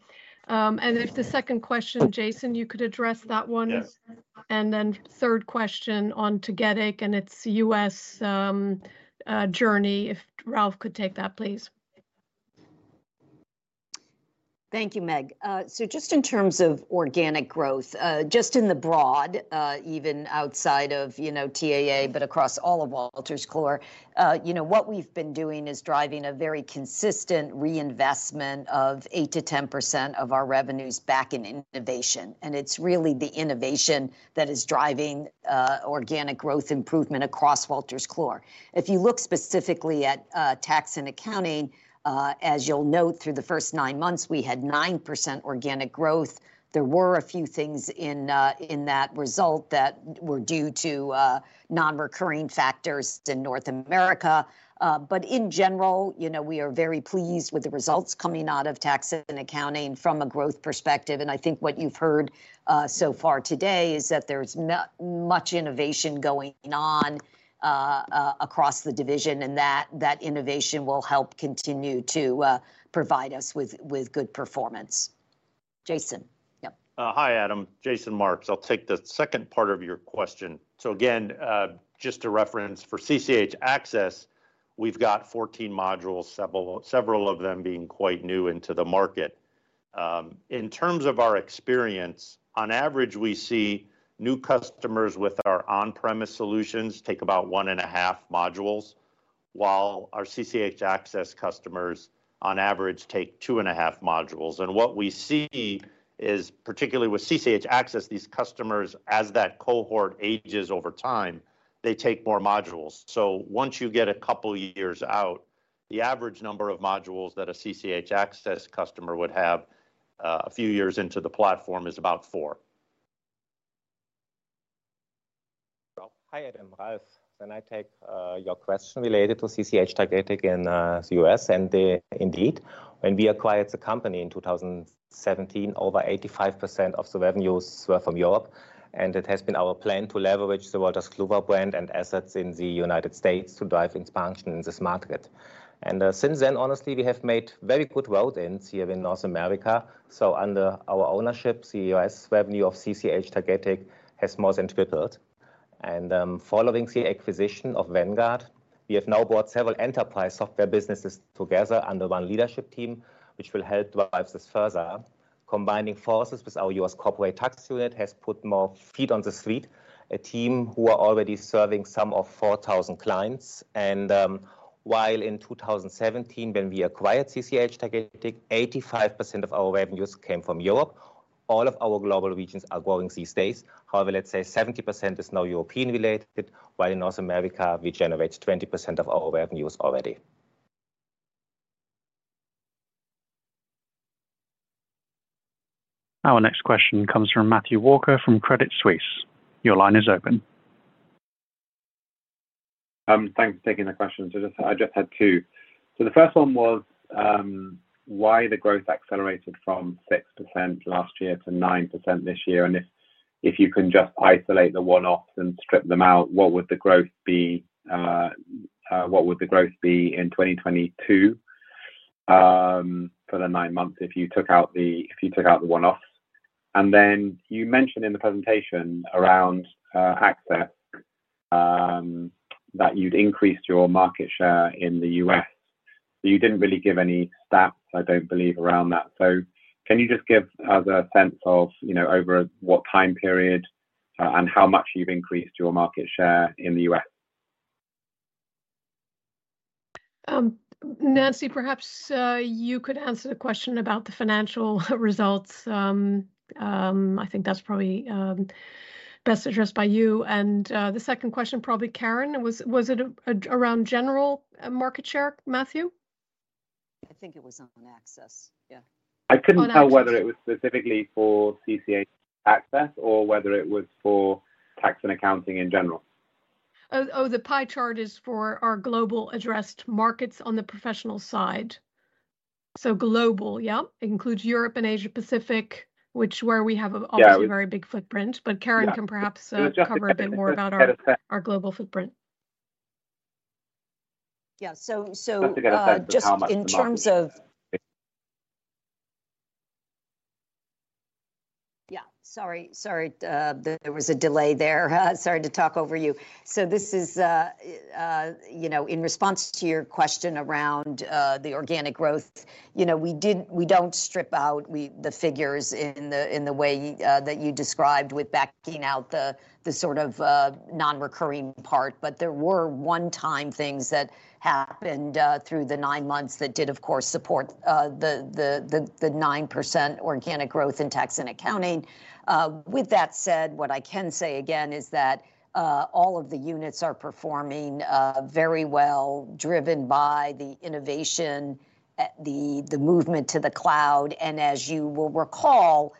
If the second question, Jason, you could address that one. Yes. Third question on CCH Tagetik and its US journey, if Ralf could take that, please. Thank you, Meg. Just in terms of organic growth, just in the broad, even outside of, you know, TAA, but across all of Wolters Kluwer, you know, what we've been doing is driving a very consistent reinvestment of 8%-10% of our revenues back in innovation, and it's really the innovation that is driving organic growth improvement across Wolters Kluwer. If you look specifically at Tax & Accounting, as you'll note through the first nine months, we had 9% organic growth. There were a few things in that result that were due to non-recurring factors to North America. In general, you know, we are very pleased with the results coming out of Tax & Accounting from a growth perspective. I think what you've heard, so far today is that there's much innovation going on, across the division, and that innovation will help continue to provide us with good performance. Jason. Yep. Hi Adam, Jason Marx. I'll take the second part of your question. Again, just to reference for CCH Axcess, we've got 14 modules, several of them being quite new into the market. In terms of our experience, on average, we see new customers with our on-premise solutions take about 1.5 modules, while our CCH Axcess customers on average take 2.5 modules. What we see is, particularly with CCH Axcess, these customers, as that cohort ages over time, they take more modules. Once you get a couple years out, the average number of modules that a CCH Axcess customer would have, a few years into the platform is about four. Hi, Adam. Ralf. I take your question related to CCH Tagetik in the U.S. and the. Indeed, when we acquired the company in 2017, over 85% of the revenues were from Europe, and it has been our plan to leverage the Wolters Kluwer brand and assets in the United States to drive expansion in this market. Since then, honestly, we have made very good growth here in North America. Under our ownership, the U.S. revenue of CCH Tagetik has more than tripled. Following the acquisition of Vanguard, we have now brought several enterprise software businesses together under one leadership team, which will help drive this further. Combining forces with our U.S. corporate tax unit has put more feet on the street, a team who are already serving some of 4,000 clients. While in 2017, when we acquired CCH Tagetik, 85% of our revenues came from Europe. All of our global regions are growing these days. Let's say 70% is now European related, while in North America, we generate 20% of our revenues already. Our next question comes from Matthew Walker from Credit Suisse. Your line is open. Thanks for taking the questions. I just had two. The first one was why the growth accelerated from 6% last year to 9% this year, and if you can just isolate the one-offs and strip them out, what would the growth be, what would the growth be in 2022 for the nine months if you took out the one-offs? You mentioned in the presentation around CCH Axcess that you'd increased your market share in the U.S., but you didn't really give any stats, I don't believe, around that. Can you just give us a sense of, you know, over what time period and how much you've increased your market share in the U.S.? Nancy, perhaps you could answer the question about the financial results. I think that's probably best addressed by you. The second question, probably Karen, was it around general market share, Matthew? I think it was on Axcess. Yeah. I couldn't tell- On Axcess. whether it was specifically for CCH Axcess or whether it was for tax and accounting in general. Oh, the pie chart is for our global addressed markets on the professional side. Global, yeah. It includes Europe and Asia Pacific. Yeah obviously a very big footprint. Yeah. Karen can perhaps. It was just to get a sense.... cover a bit more about our global footprint. Yeah. Just to get a sense of how much the market is... just in terms of. Yeah, sorry. There was a delay there. Sorry to talk over you. This is, you know, in response to your question around the organic growth. You know, we don't strip out the figures in the way that you described with backing out the sort of non-recurring part. There were one-time things that happened through the nine months that did, of course, support the 9% organic growth in Tax & Accounting. With that said, what I can say again is that all of the units are performing very well, driven by the innovation, the movement to the cloud. As you will recall,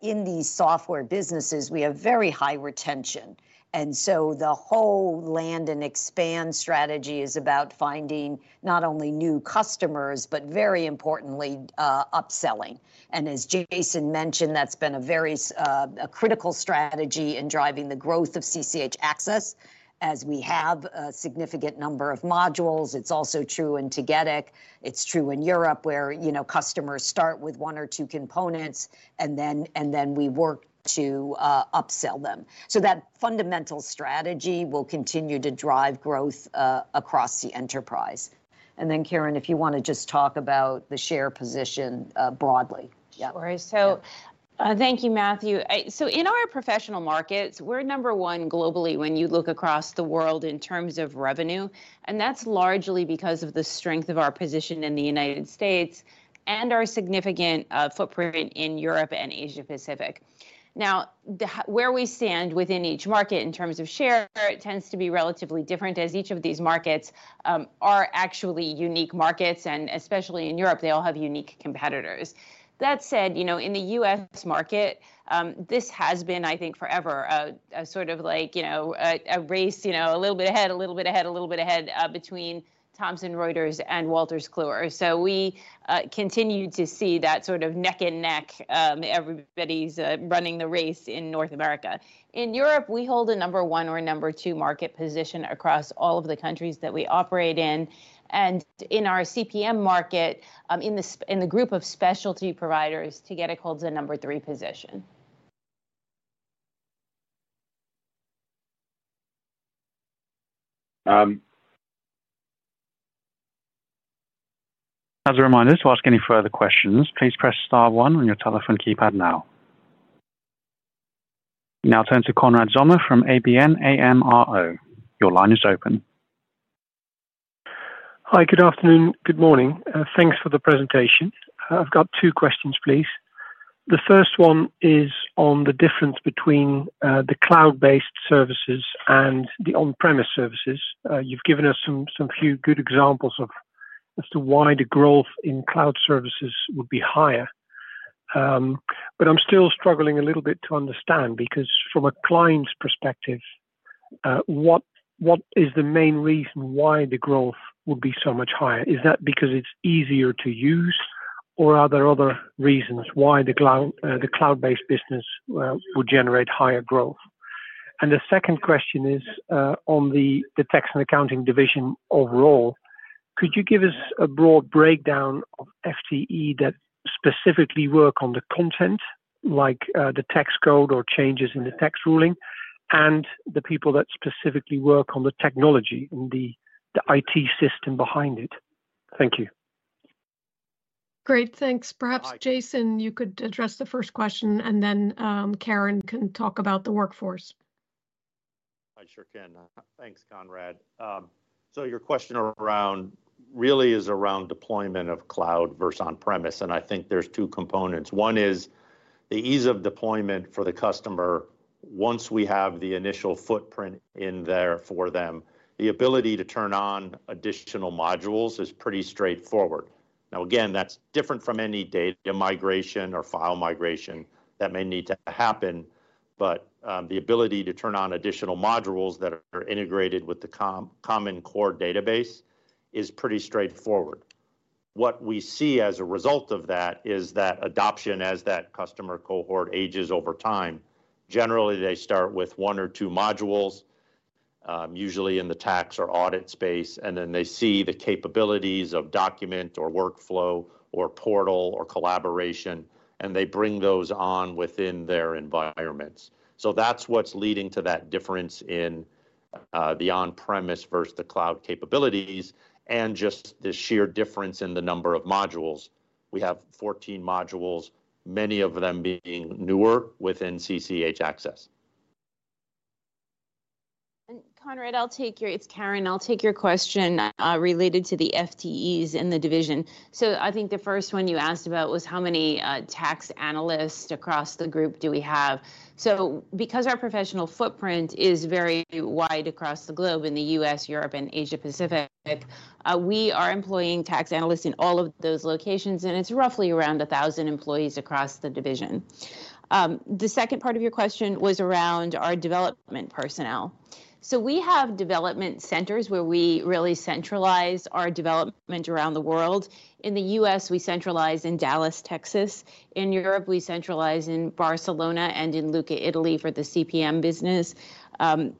in these software businesses, we have very high retention. The whole land and expand strategy is about finding not only new customers, but very importantly, upselling. As Jason mentioned, that's been a very critical strategy in driving the growth of CCH Axcess, as we have a significant number of modules. It's also true in Tagetik. It's true in Europe, where, you know, customers start with one or two components, and then we work to upsell them. That fundamental strategy will continue to drive growth across the enterprise. Then, Karen, if you wanna just talk about the share position broadly. Yeah. Sure. Yeah. Thank you, Matthew. In our professional markets, we're number one globally when you look across the world in terms of revenue, and that's largely because of the strength of our position in the United States and our significant footprint in Europe and Asia Pacific. Where we stand within each market in terms of share tends to be relatively different, as each of these markets are actually unique markets, and especially in Europe, they all have unique competitors. That said, you know, in the U.S. market, this has been, I think, forever a sort of like, you know, a race, you know, a little bit ahead, a little bit ahead, a little bit ahead between Thomson Reuters and Wolters Kluwer.We continue to see that sort of neck and neck, everybody's running the race in North America. In Europe, we hold a number one or number two market position across all of the countries that we operate in. In our CPM market, in the group of specialty providers, Tagetik holds a number three position. As a reminder, to ask any further questions, please press star 1 on your telephone keypad now. We now turn to Konrad Zomer from ABN AMRO. Your line is open. Hi. Good afternoon. Good morning. Thanks for the presentation. I've got two questions, please. The first one is on the difference between the cloud-based services and the on-premise services. You've given us some few good examples of as to why the growth in cloud services would be higher. I'm still struggling a little bit to understand because from a client's perspective, what is the main reason why the growth would be so much higher? Is that because it's easier to use, or are there other reasons why the cloud, the cloud-based business, would generate higher growth? The second question is on the tax and accounting division overall. Could you give us a broad breakdown of FTE that specifically work on the content, like, the tax code or changes in the tax ruling, and the people that specifically work on the technology and the IT system behind it? Thank you. Great. Thanks. Hi. Perhaps, Jason, you could address the first question, and then Karen can talk about the workforce. I sure can. Thanks, Konrad. Your question really is around deployment of cloud versus on-premise, and I think there's two components. One is the ease of deployment for the customer once we have the initial footprint in there for them. The ability to turn on additional modules is pretty straightforward. Now, again, that's different from any data migration or file migration that may need to happen, but the ability to turn on additional modules that are integrated with the common core database is pretty straightforward. What we see as a result of that is that adoption as that customer cohort ages over time. Generally, they start with one or two modules, usually in the tax or audit space, and then they see the capabilities of document or workflow or portal or collaboration, and they bring those on within their environments. That's what's leading to that difference in the on-premise versus the cloud capabilities and just the sheer difference in the number of modules. We have 14 modules, many of them being newer within CCH Axcess. Conrad, It's Karen. I'll take your question related to the FTEs in the division. I think the first one you asked about was how many tax analysts across the group do we have. Because our professional footprint is very wide across the globe in the U.S., Europe, and Asia Pacific, we are employing tax analysts in all of those locations, and it's roughly around 1,000 employees across the division. The second part of your question was around our development personnel. We have development centers where we really centralize our development around the world. In the U.S., we centralize in Dallas, Texas. In Europe, we centralize in Barcelona and in Lucca, Italy for the CPM business,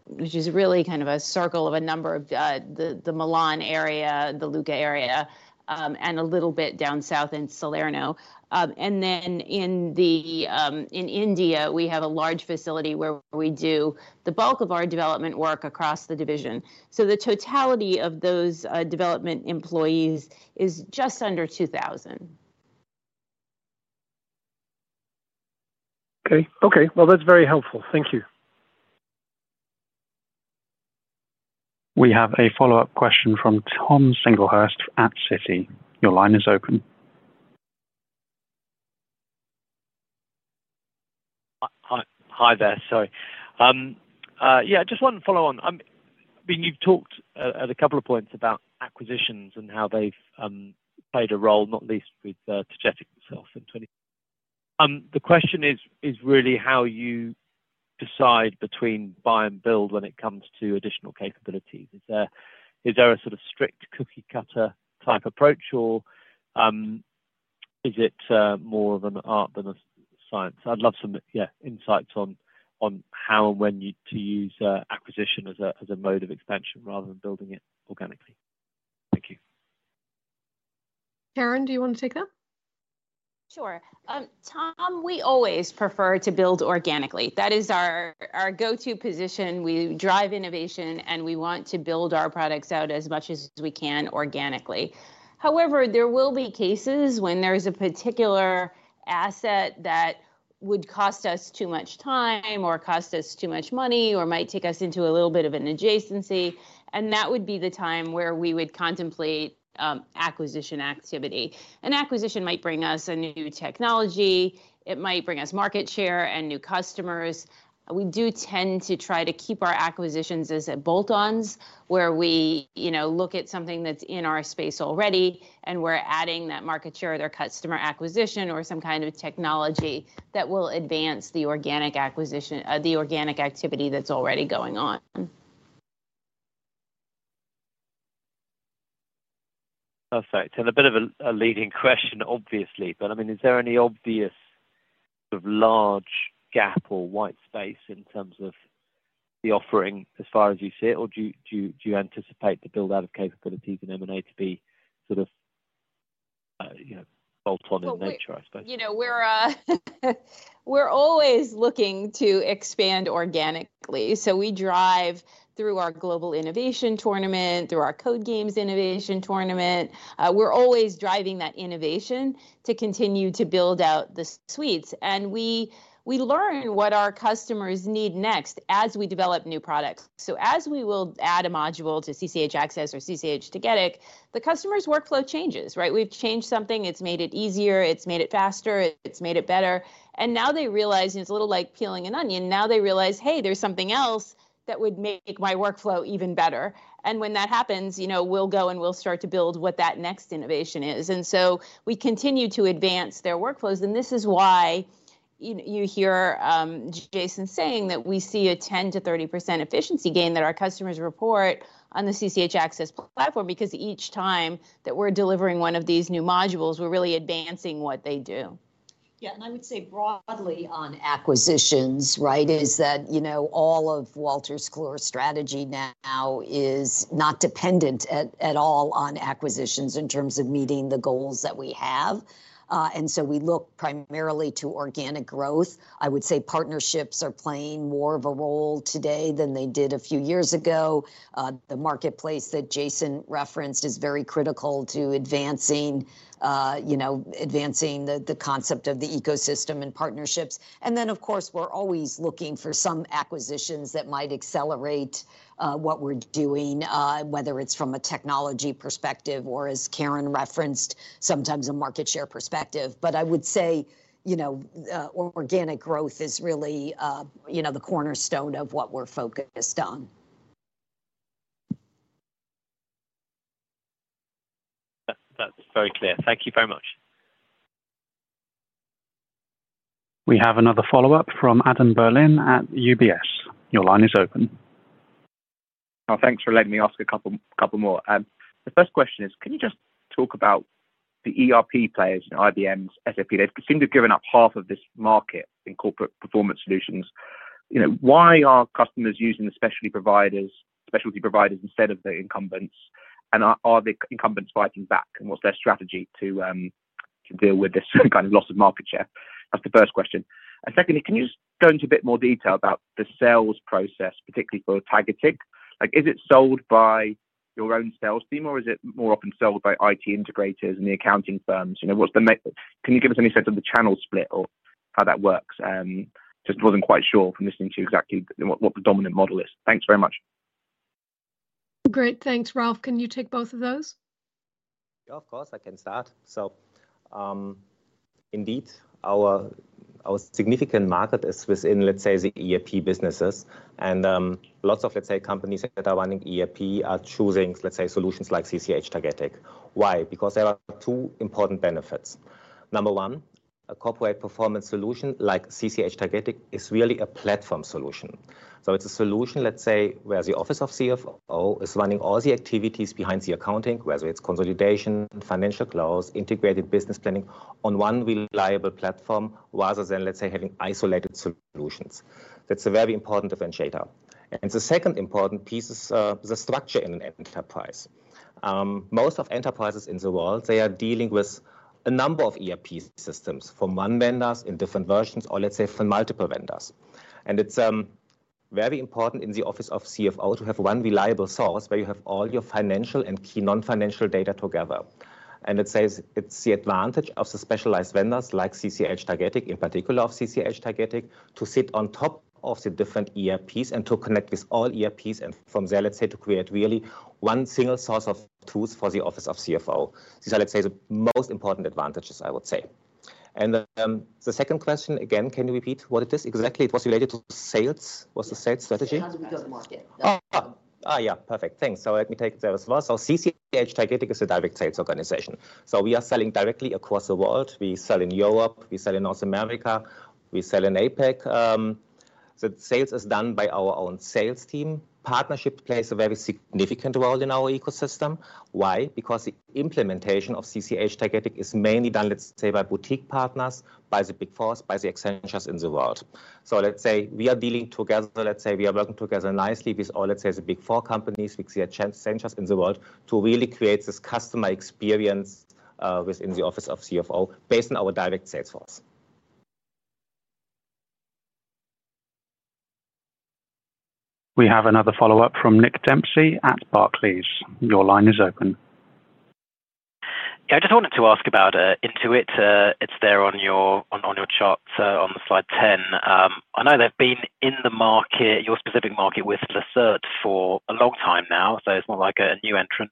which is really kind of a circle of a number of the Milan area, the Lucca area, and a little bit down south in Salerno. Then in India, we have a large facility where we do the bulk of our development work across the division. The totality of those development employees is just under 2,000. Okay. Well, that's very helpful. Thank you. We have a follow-up question from Thomas Singlehurst at Citi. Your line is open. Hi. Hi there. Sorry. Yeah, just one follow on. I mean, you've talked at a couple of points about acquisitions and how they've played a role, not least with Tagetik itself in 2020. The question is really how you decide between buy and build when it comes to additional capabilities. Is there a sort of strict cookie-cutter type approach, or is it more of an art than a science? I'd love some, yeah, insights on how and when to use acquisition as a mode of expansion rather than building it organically. Thank you. Karen, do you want to take that? Sure. Tom, we always prefer to build organically. That is our go-to position. We drive innovation. We want to build our products out as much as we can organically. However, there will be cases when there is a particular asset that would cost us too much time or cost us too much money or might take us into a little bit of an adjacency. That would be the time where we would contemplate acquisition activity. An acquisition might bring us a new technology. It might bring us market share and new customers. We do tend to try to keep our acquisitions as bolt-ons, where we, you know, look at something that's in our space already and we're adding that market share, their customer acquisition, or some kind of technology that will advance the organic activity that's already going on. Perfect. A bit of a leading question, obviously, but, I mean, is there any obvious sort of large gap or white space in terms of the offering as far as you see it, or do you anticipate the build-out of capabilities in M&A to be sort of? You know, old one in nature, I suppose. You know, we're always looking to expand organically. We drive through our global innovation tournament, through our code games innovation tournament. We're always driving that innovation to continue to build out the suites. We learn what our customers need next as we develop new products. As we will add a module to CCH Axcess or CCH Tagetik, the customer's workflow changes, right? We've changed something. It's made it easier. It's made it faster. It's made it better. Now they realize, it's a little like peeling an onion. Now they realize, "Hey, there's something else that would make my workflow even better." When that happens, you know, we'll go, and we'll start to build what that next innovation is. We continue to advance their workflows, and this is why you hear Jason saying that we see a 10%-30% efficiency gain that our customers report on the CCH Axcess platform because each time that we're delivering one of these new modules, we're really advancing what they do. Yeah. I would say broadly on acquisitions, right? Is that, you know, all of Wolters Kluwer's strategy now is not dependent at all on acquisitions in terms of meeting the goals that we have. We look primarily to organic growth. I would say partnerships are playing more of a role today than they did a few years ago. The marketplace that Jason referenced is very critical to advancing, you know, advancing the concept of the ecosystem and partnerships. Then, of course, we're always looking for some acquisitions that might accelerate what we're doing, whether it's from a technology perspective or, as Karen referenced, sometimes a market share perspective. I would say, you know, organic growth is really, you know, the cornerstone of what we're focused on. That's very clear. Thank you very much. We have another follow-up from Adam Berlin at UBS. Your line is open. Thanks for letting me ask a couple more. The first question is, can you just talk about the ERP players and IBM, SAP, they've seem to have given up half of this market in Corporate Performance Solutions. You know, why are customers using the specialty providers instead of the incumbents, and are the incumbents fighting back? What's their strategy to deal with this kind of loss of market share? That's the first question. Secondly, can you go into a bit more detail about the sales process, particularly for Tagetik? Like, is it sold by your own sales team, or is it more often sold by IT integrators and the accounting firms? You know, what's the Can you give us any sense of the channel split or how that works? Just wasn't quite sure from listening to exactly what the dominant model is. Thanks very much. Great. Thanks. Ralf, can you take both of those? Yeah, of course, I can start. Indeed, our significant market is within, let's say, the ERP businesses. Lots of, let's say, companies that are running ERP are choosing, let's say, solutions like CCH Tagetik. Why? Because there are two important benefits. Number one, a corporate performance solution like CCH Tagetik is really a platform solution. It's a solution, let's say, where the office of CFO is running all the activities behind the accounting, whether it's consolidation, financial close, integrated business planning on one reliable platform, rather than, let's say, having isolated solutions. That's a very important differentiator. The second important piece is the structure in an enterprise. Most of enterprises in the world, they are dealing with a number of ERP systems from one vendors in different versions or let's say from multiple vendors. It's very important in the office of CFO to have one reliable source where you have all your financial and key non-financial data together. It says it's the advantage of the specialized vendors like CCH Tagetik, in particular of CCH Tagetik, to sit on top of the different ERPs and to connect with all ERPs and from there, let's say, to create really one single source of truth for the office of CFO. These are, let's say, the most important advantages, I would say. The second question again, can you repeat what it is exactly? It was related to sales. Was the sales strategy? How does it go to market? Yeah. Perfect. Thanks. Let me take that as well. CCH Tagetik is a direct sales organization. We are selling directly across the world. We sell in Europe. We sell in North America. We sell in APAC. The sales is done by our own sales team. Partnership plays a very significant role in our ecosystem. Why? Because the implementation of CCH Tagetik is mainly done, let's say, by boutique partners, by the Big Fours, by the Accentures in the world. Let's say we are dealing together, let's say we are working together nicely with all, let's say the Big Four companies, with the Accentures in the world to really create this customer experience within the office of CFO based on our direct sales force. We have another follow-up from Nick Dempsey at Barclays. Your line is open. Yeah. I just wanted to ask about Intuit. It's there on your chart on slide 10. I know they've been in the market, your specific market with Lacerte for a long time now, so it's not like a new entrant.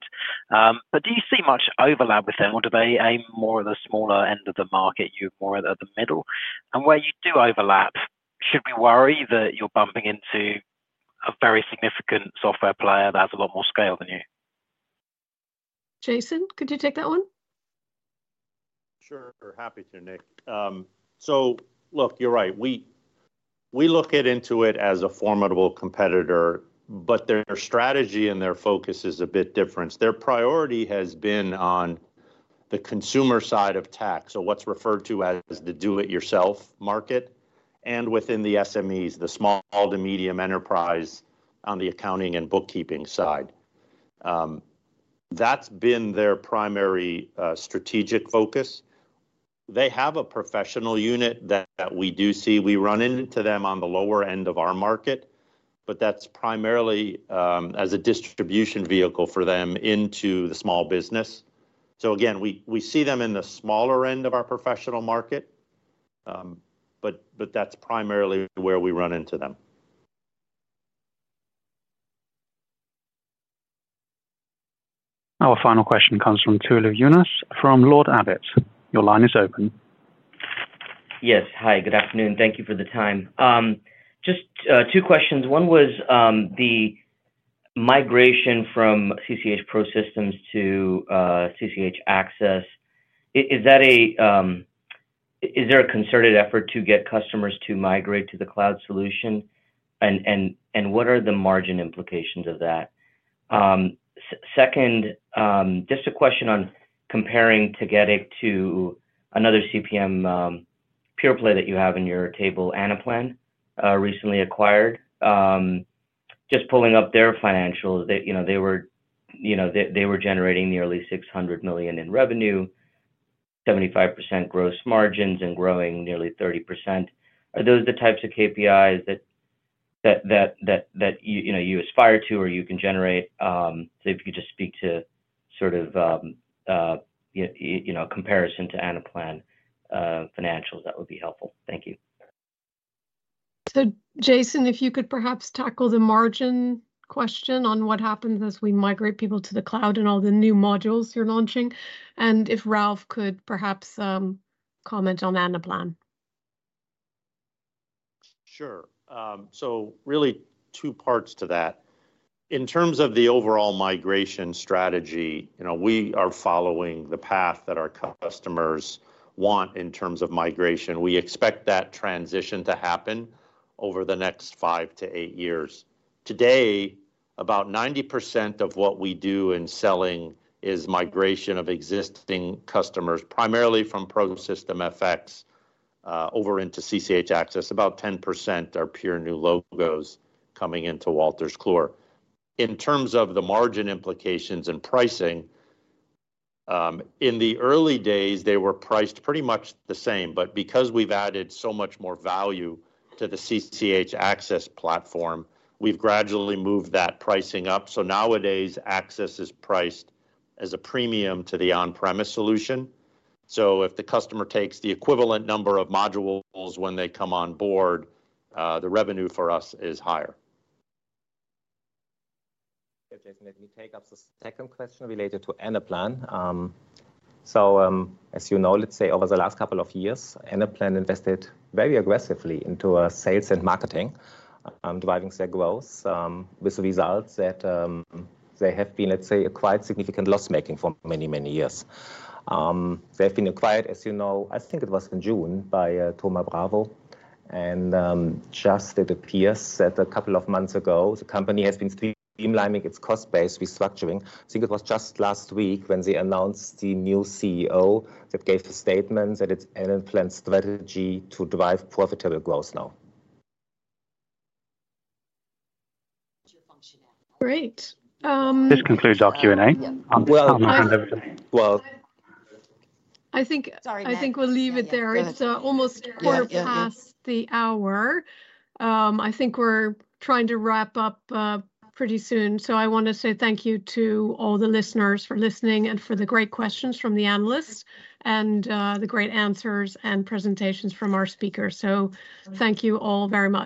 Do you see much overlap with them, or do they aim more at the smaller end of the market, you more at the middle? Where you do overlap, should we worry that you're bumping into a very significant software player that has a lot more scale than you? Jason, could you take that one? Sure. Happy to, Nick. Look, you're right. We look at Intuit as a formidable competitor, but their strategy and their focus is a bit different. Their priority has been on the consumer side of tax. What's referred to as the do it yourself market. Within the SMEs, the small to medium enterprise on the accounting and bookkeeping side. That's been their primary strategic focus. They have a professional unit that we do see. We run into them on the lower end of our market. That's primarily as a distribution vehicle for them into the small business. Again, we see them in the smaller end of our professional market, but that's primarily where we run into them. Our final question comes from Tolu Younus from Lord Abbett. Your line is open. Yes. Hi, good afternoon. Thank you for the time. Just two questions. One was the migration from CCH ProSystem fx to CCH Axcess. Is that a concerted effort to get customers to migrate to the cloud solution? What are the margin implications of that? Second, just a question on comparing CCH Tagetik to another CPM pure play that you have in your table, Anaplan, recently acquired. Just pulling up their financials, they, you know, they were, you know, they were generating nearly 600 million in revenue, 75% gross margins and growing nearly 30%. Are those the types of KPIs that, you know, you aspire to or you can generate? If you could just speak to sort of, you know, comparison to Anaplan financials, that would be helpful. Thank you. Jason, if you could perhaps tackle the margin question on what happens as we migrate people to the cloud and all the new modules you're launching, and if Ralph could perhaps comment on Anaplan. Sure. Really two parts to that. In terms of the overall migration strategy, you know, we are following the path that our customers want in terms of migration. We expect that transition to happen over the next five-eight years. Today, about 90% of what we do in selling is migration of existing customers, primarily from ProSystem fx, over into CCH Axcess. About 10% are pure new logos coming into Wolters Kluwer. In terms of the margin implications and pricing, in the early days, they were priced pretty much the same. Because we've added so much more value to the CCH Axcess platform, we've gradually moved that pricing up. Nowadays, Axcess is priced as a premium to the on-premise solution. If the customer takes the equivalent number of modules when they come on board, the revenue for us is higher. Yeah, Jason, let me take up the second question related to Anaplan. As you know, let's say over the last couple of years, Anaplan invested very aggressively into sales and marketing, driving their growth with results that they have been, let's say, a quite significant loss-making for many, many years. They've been acquired, as you know, I think it was in June, by Thoma Bravo. Just it appears that a couple of months ago, the company has been streamlining its cost base, restructuring. I think it was just last week when they announced the new CEO that gave the statement that it's Anaplan's strategy to drive profitable growth now. Great. This concludes our Q&A. Well... (crosstalk) Well- Sorry, Matt. I think we'll leave it there. Go ahead. Sorry. It's almost quarter past the hour. I think we're trying to wrap up pretty soon. I wanna say thank you to all the listeners for listening and for the great questions from the analysts and the great answers and presentations from our speakers. Thank you all very much.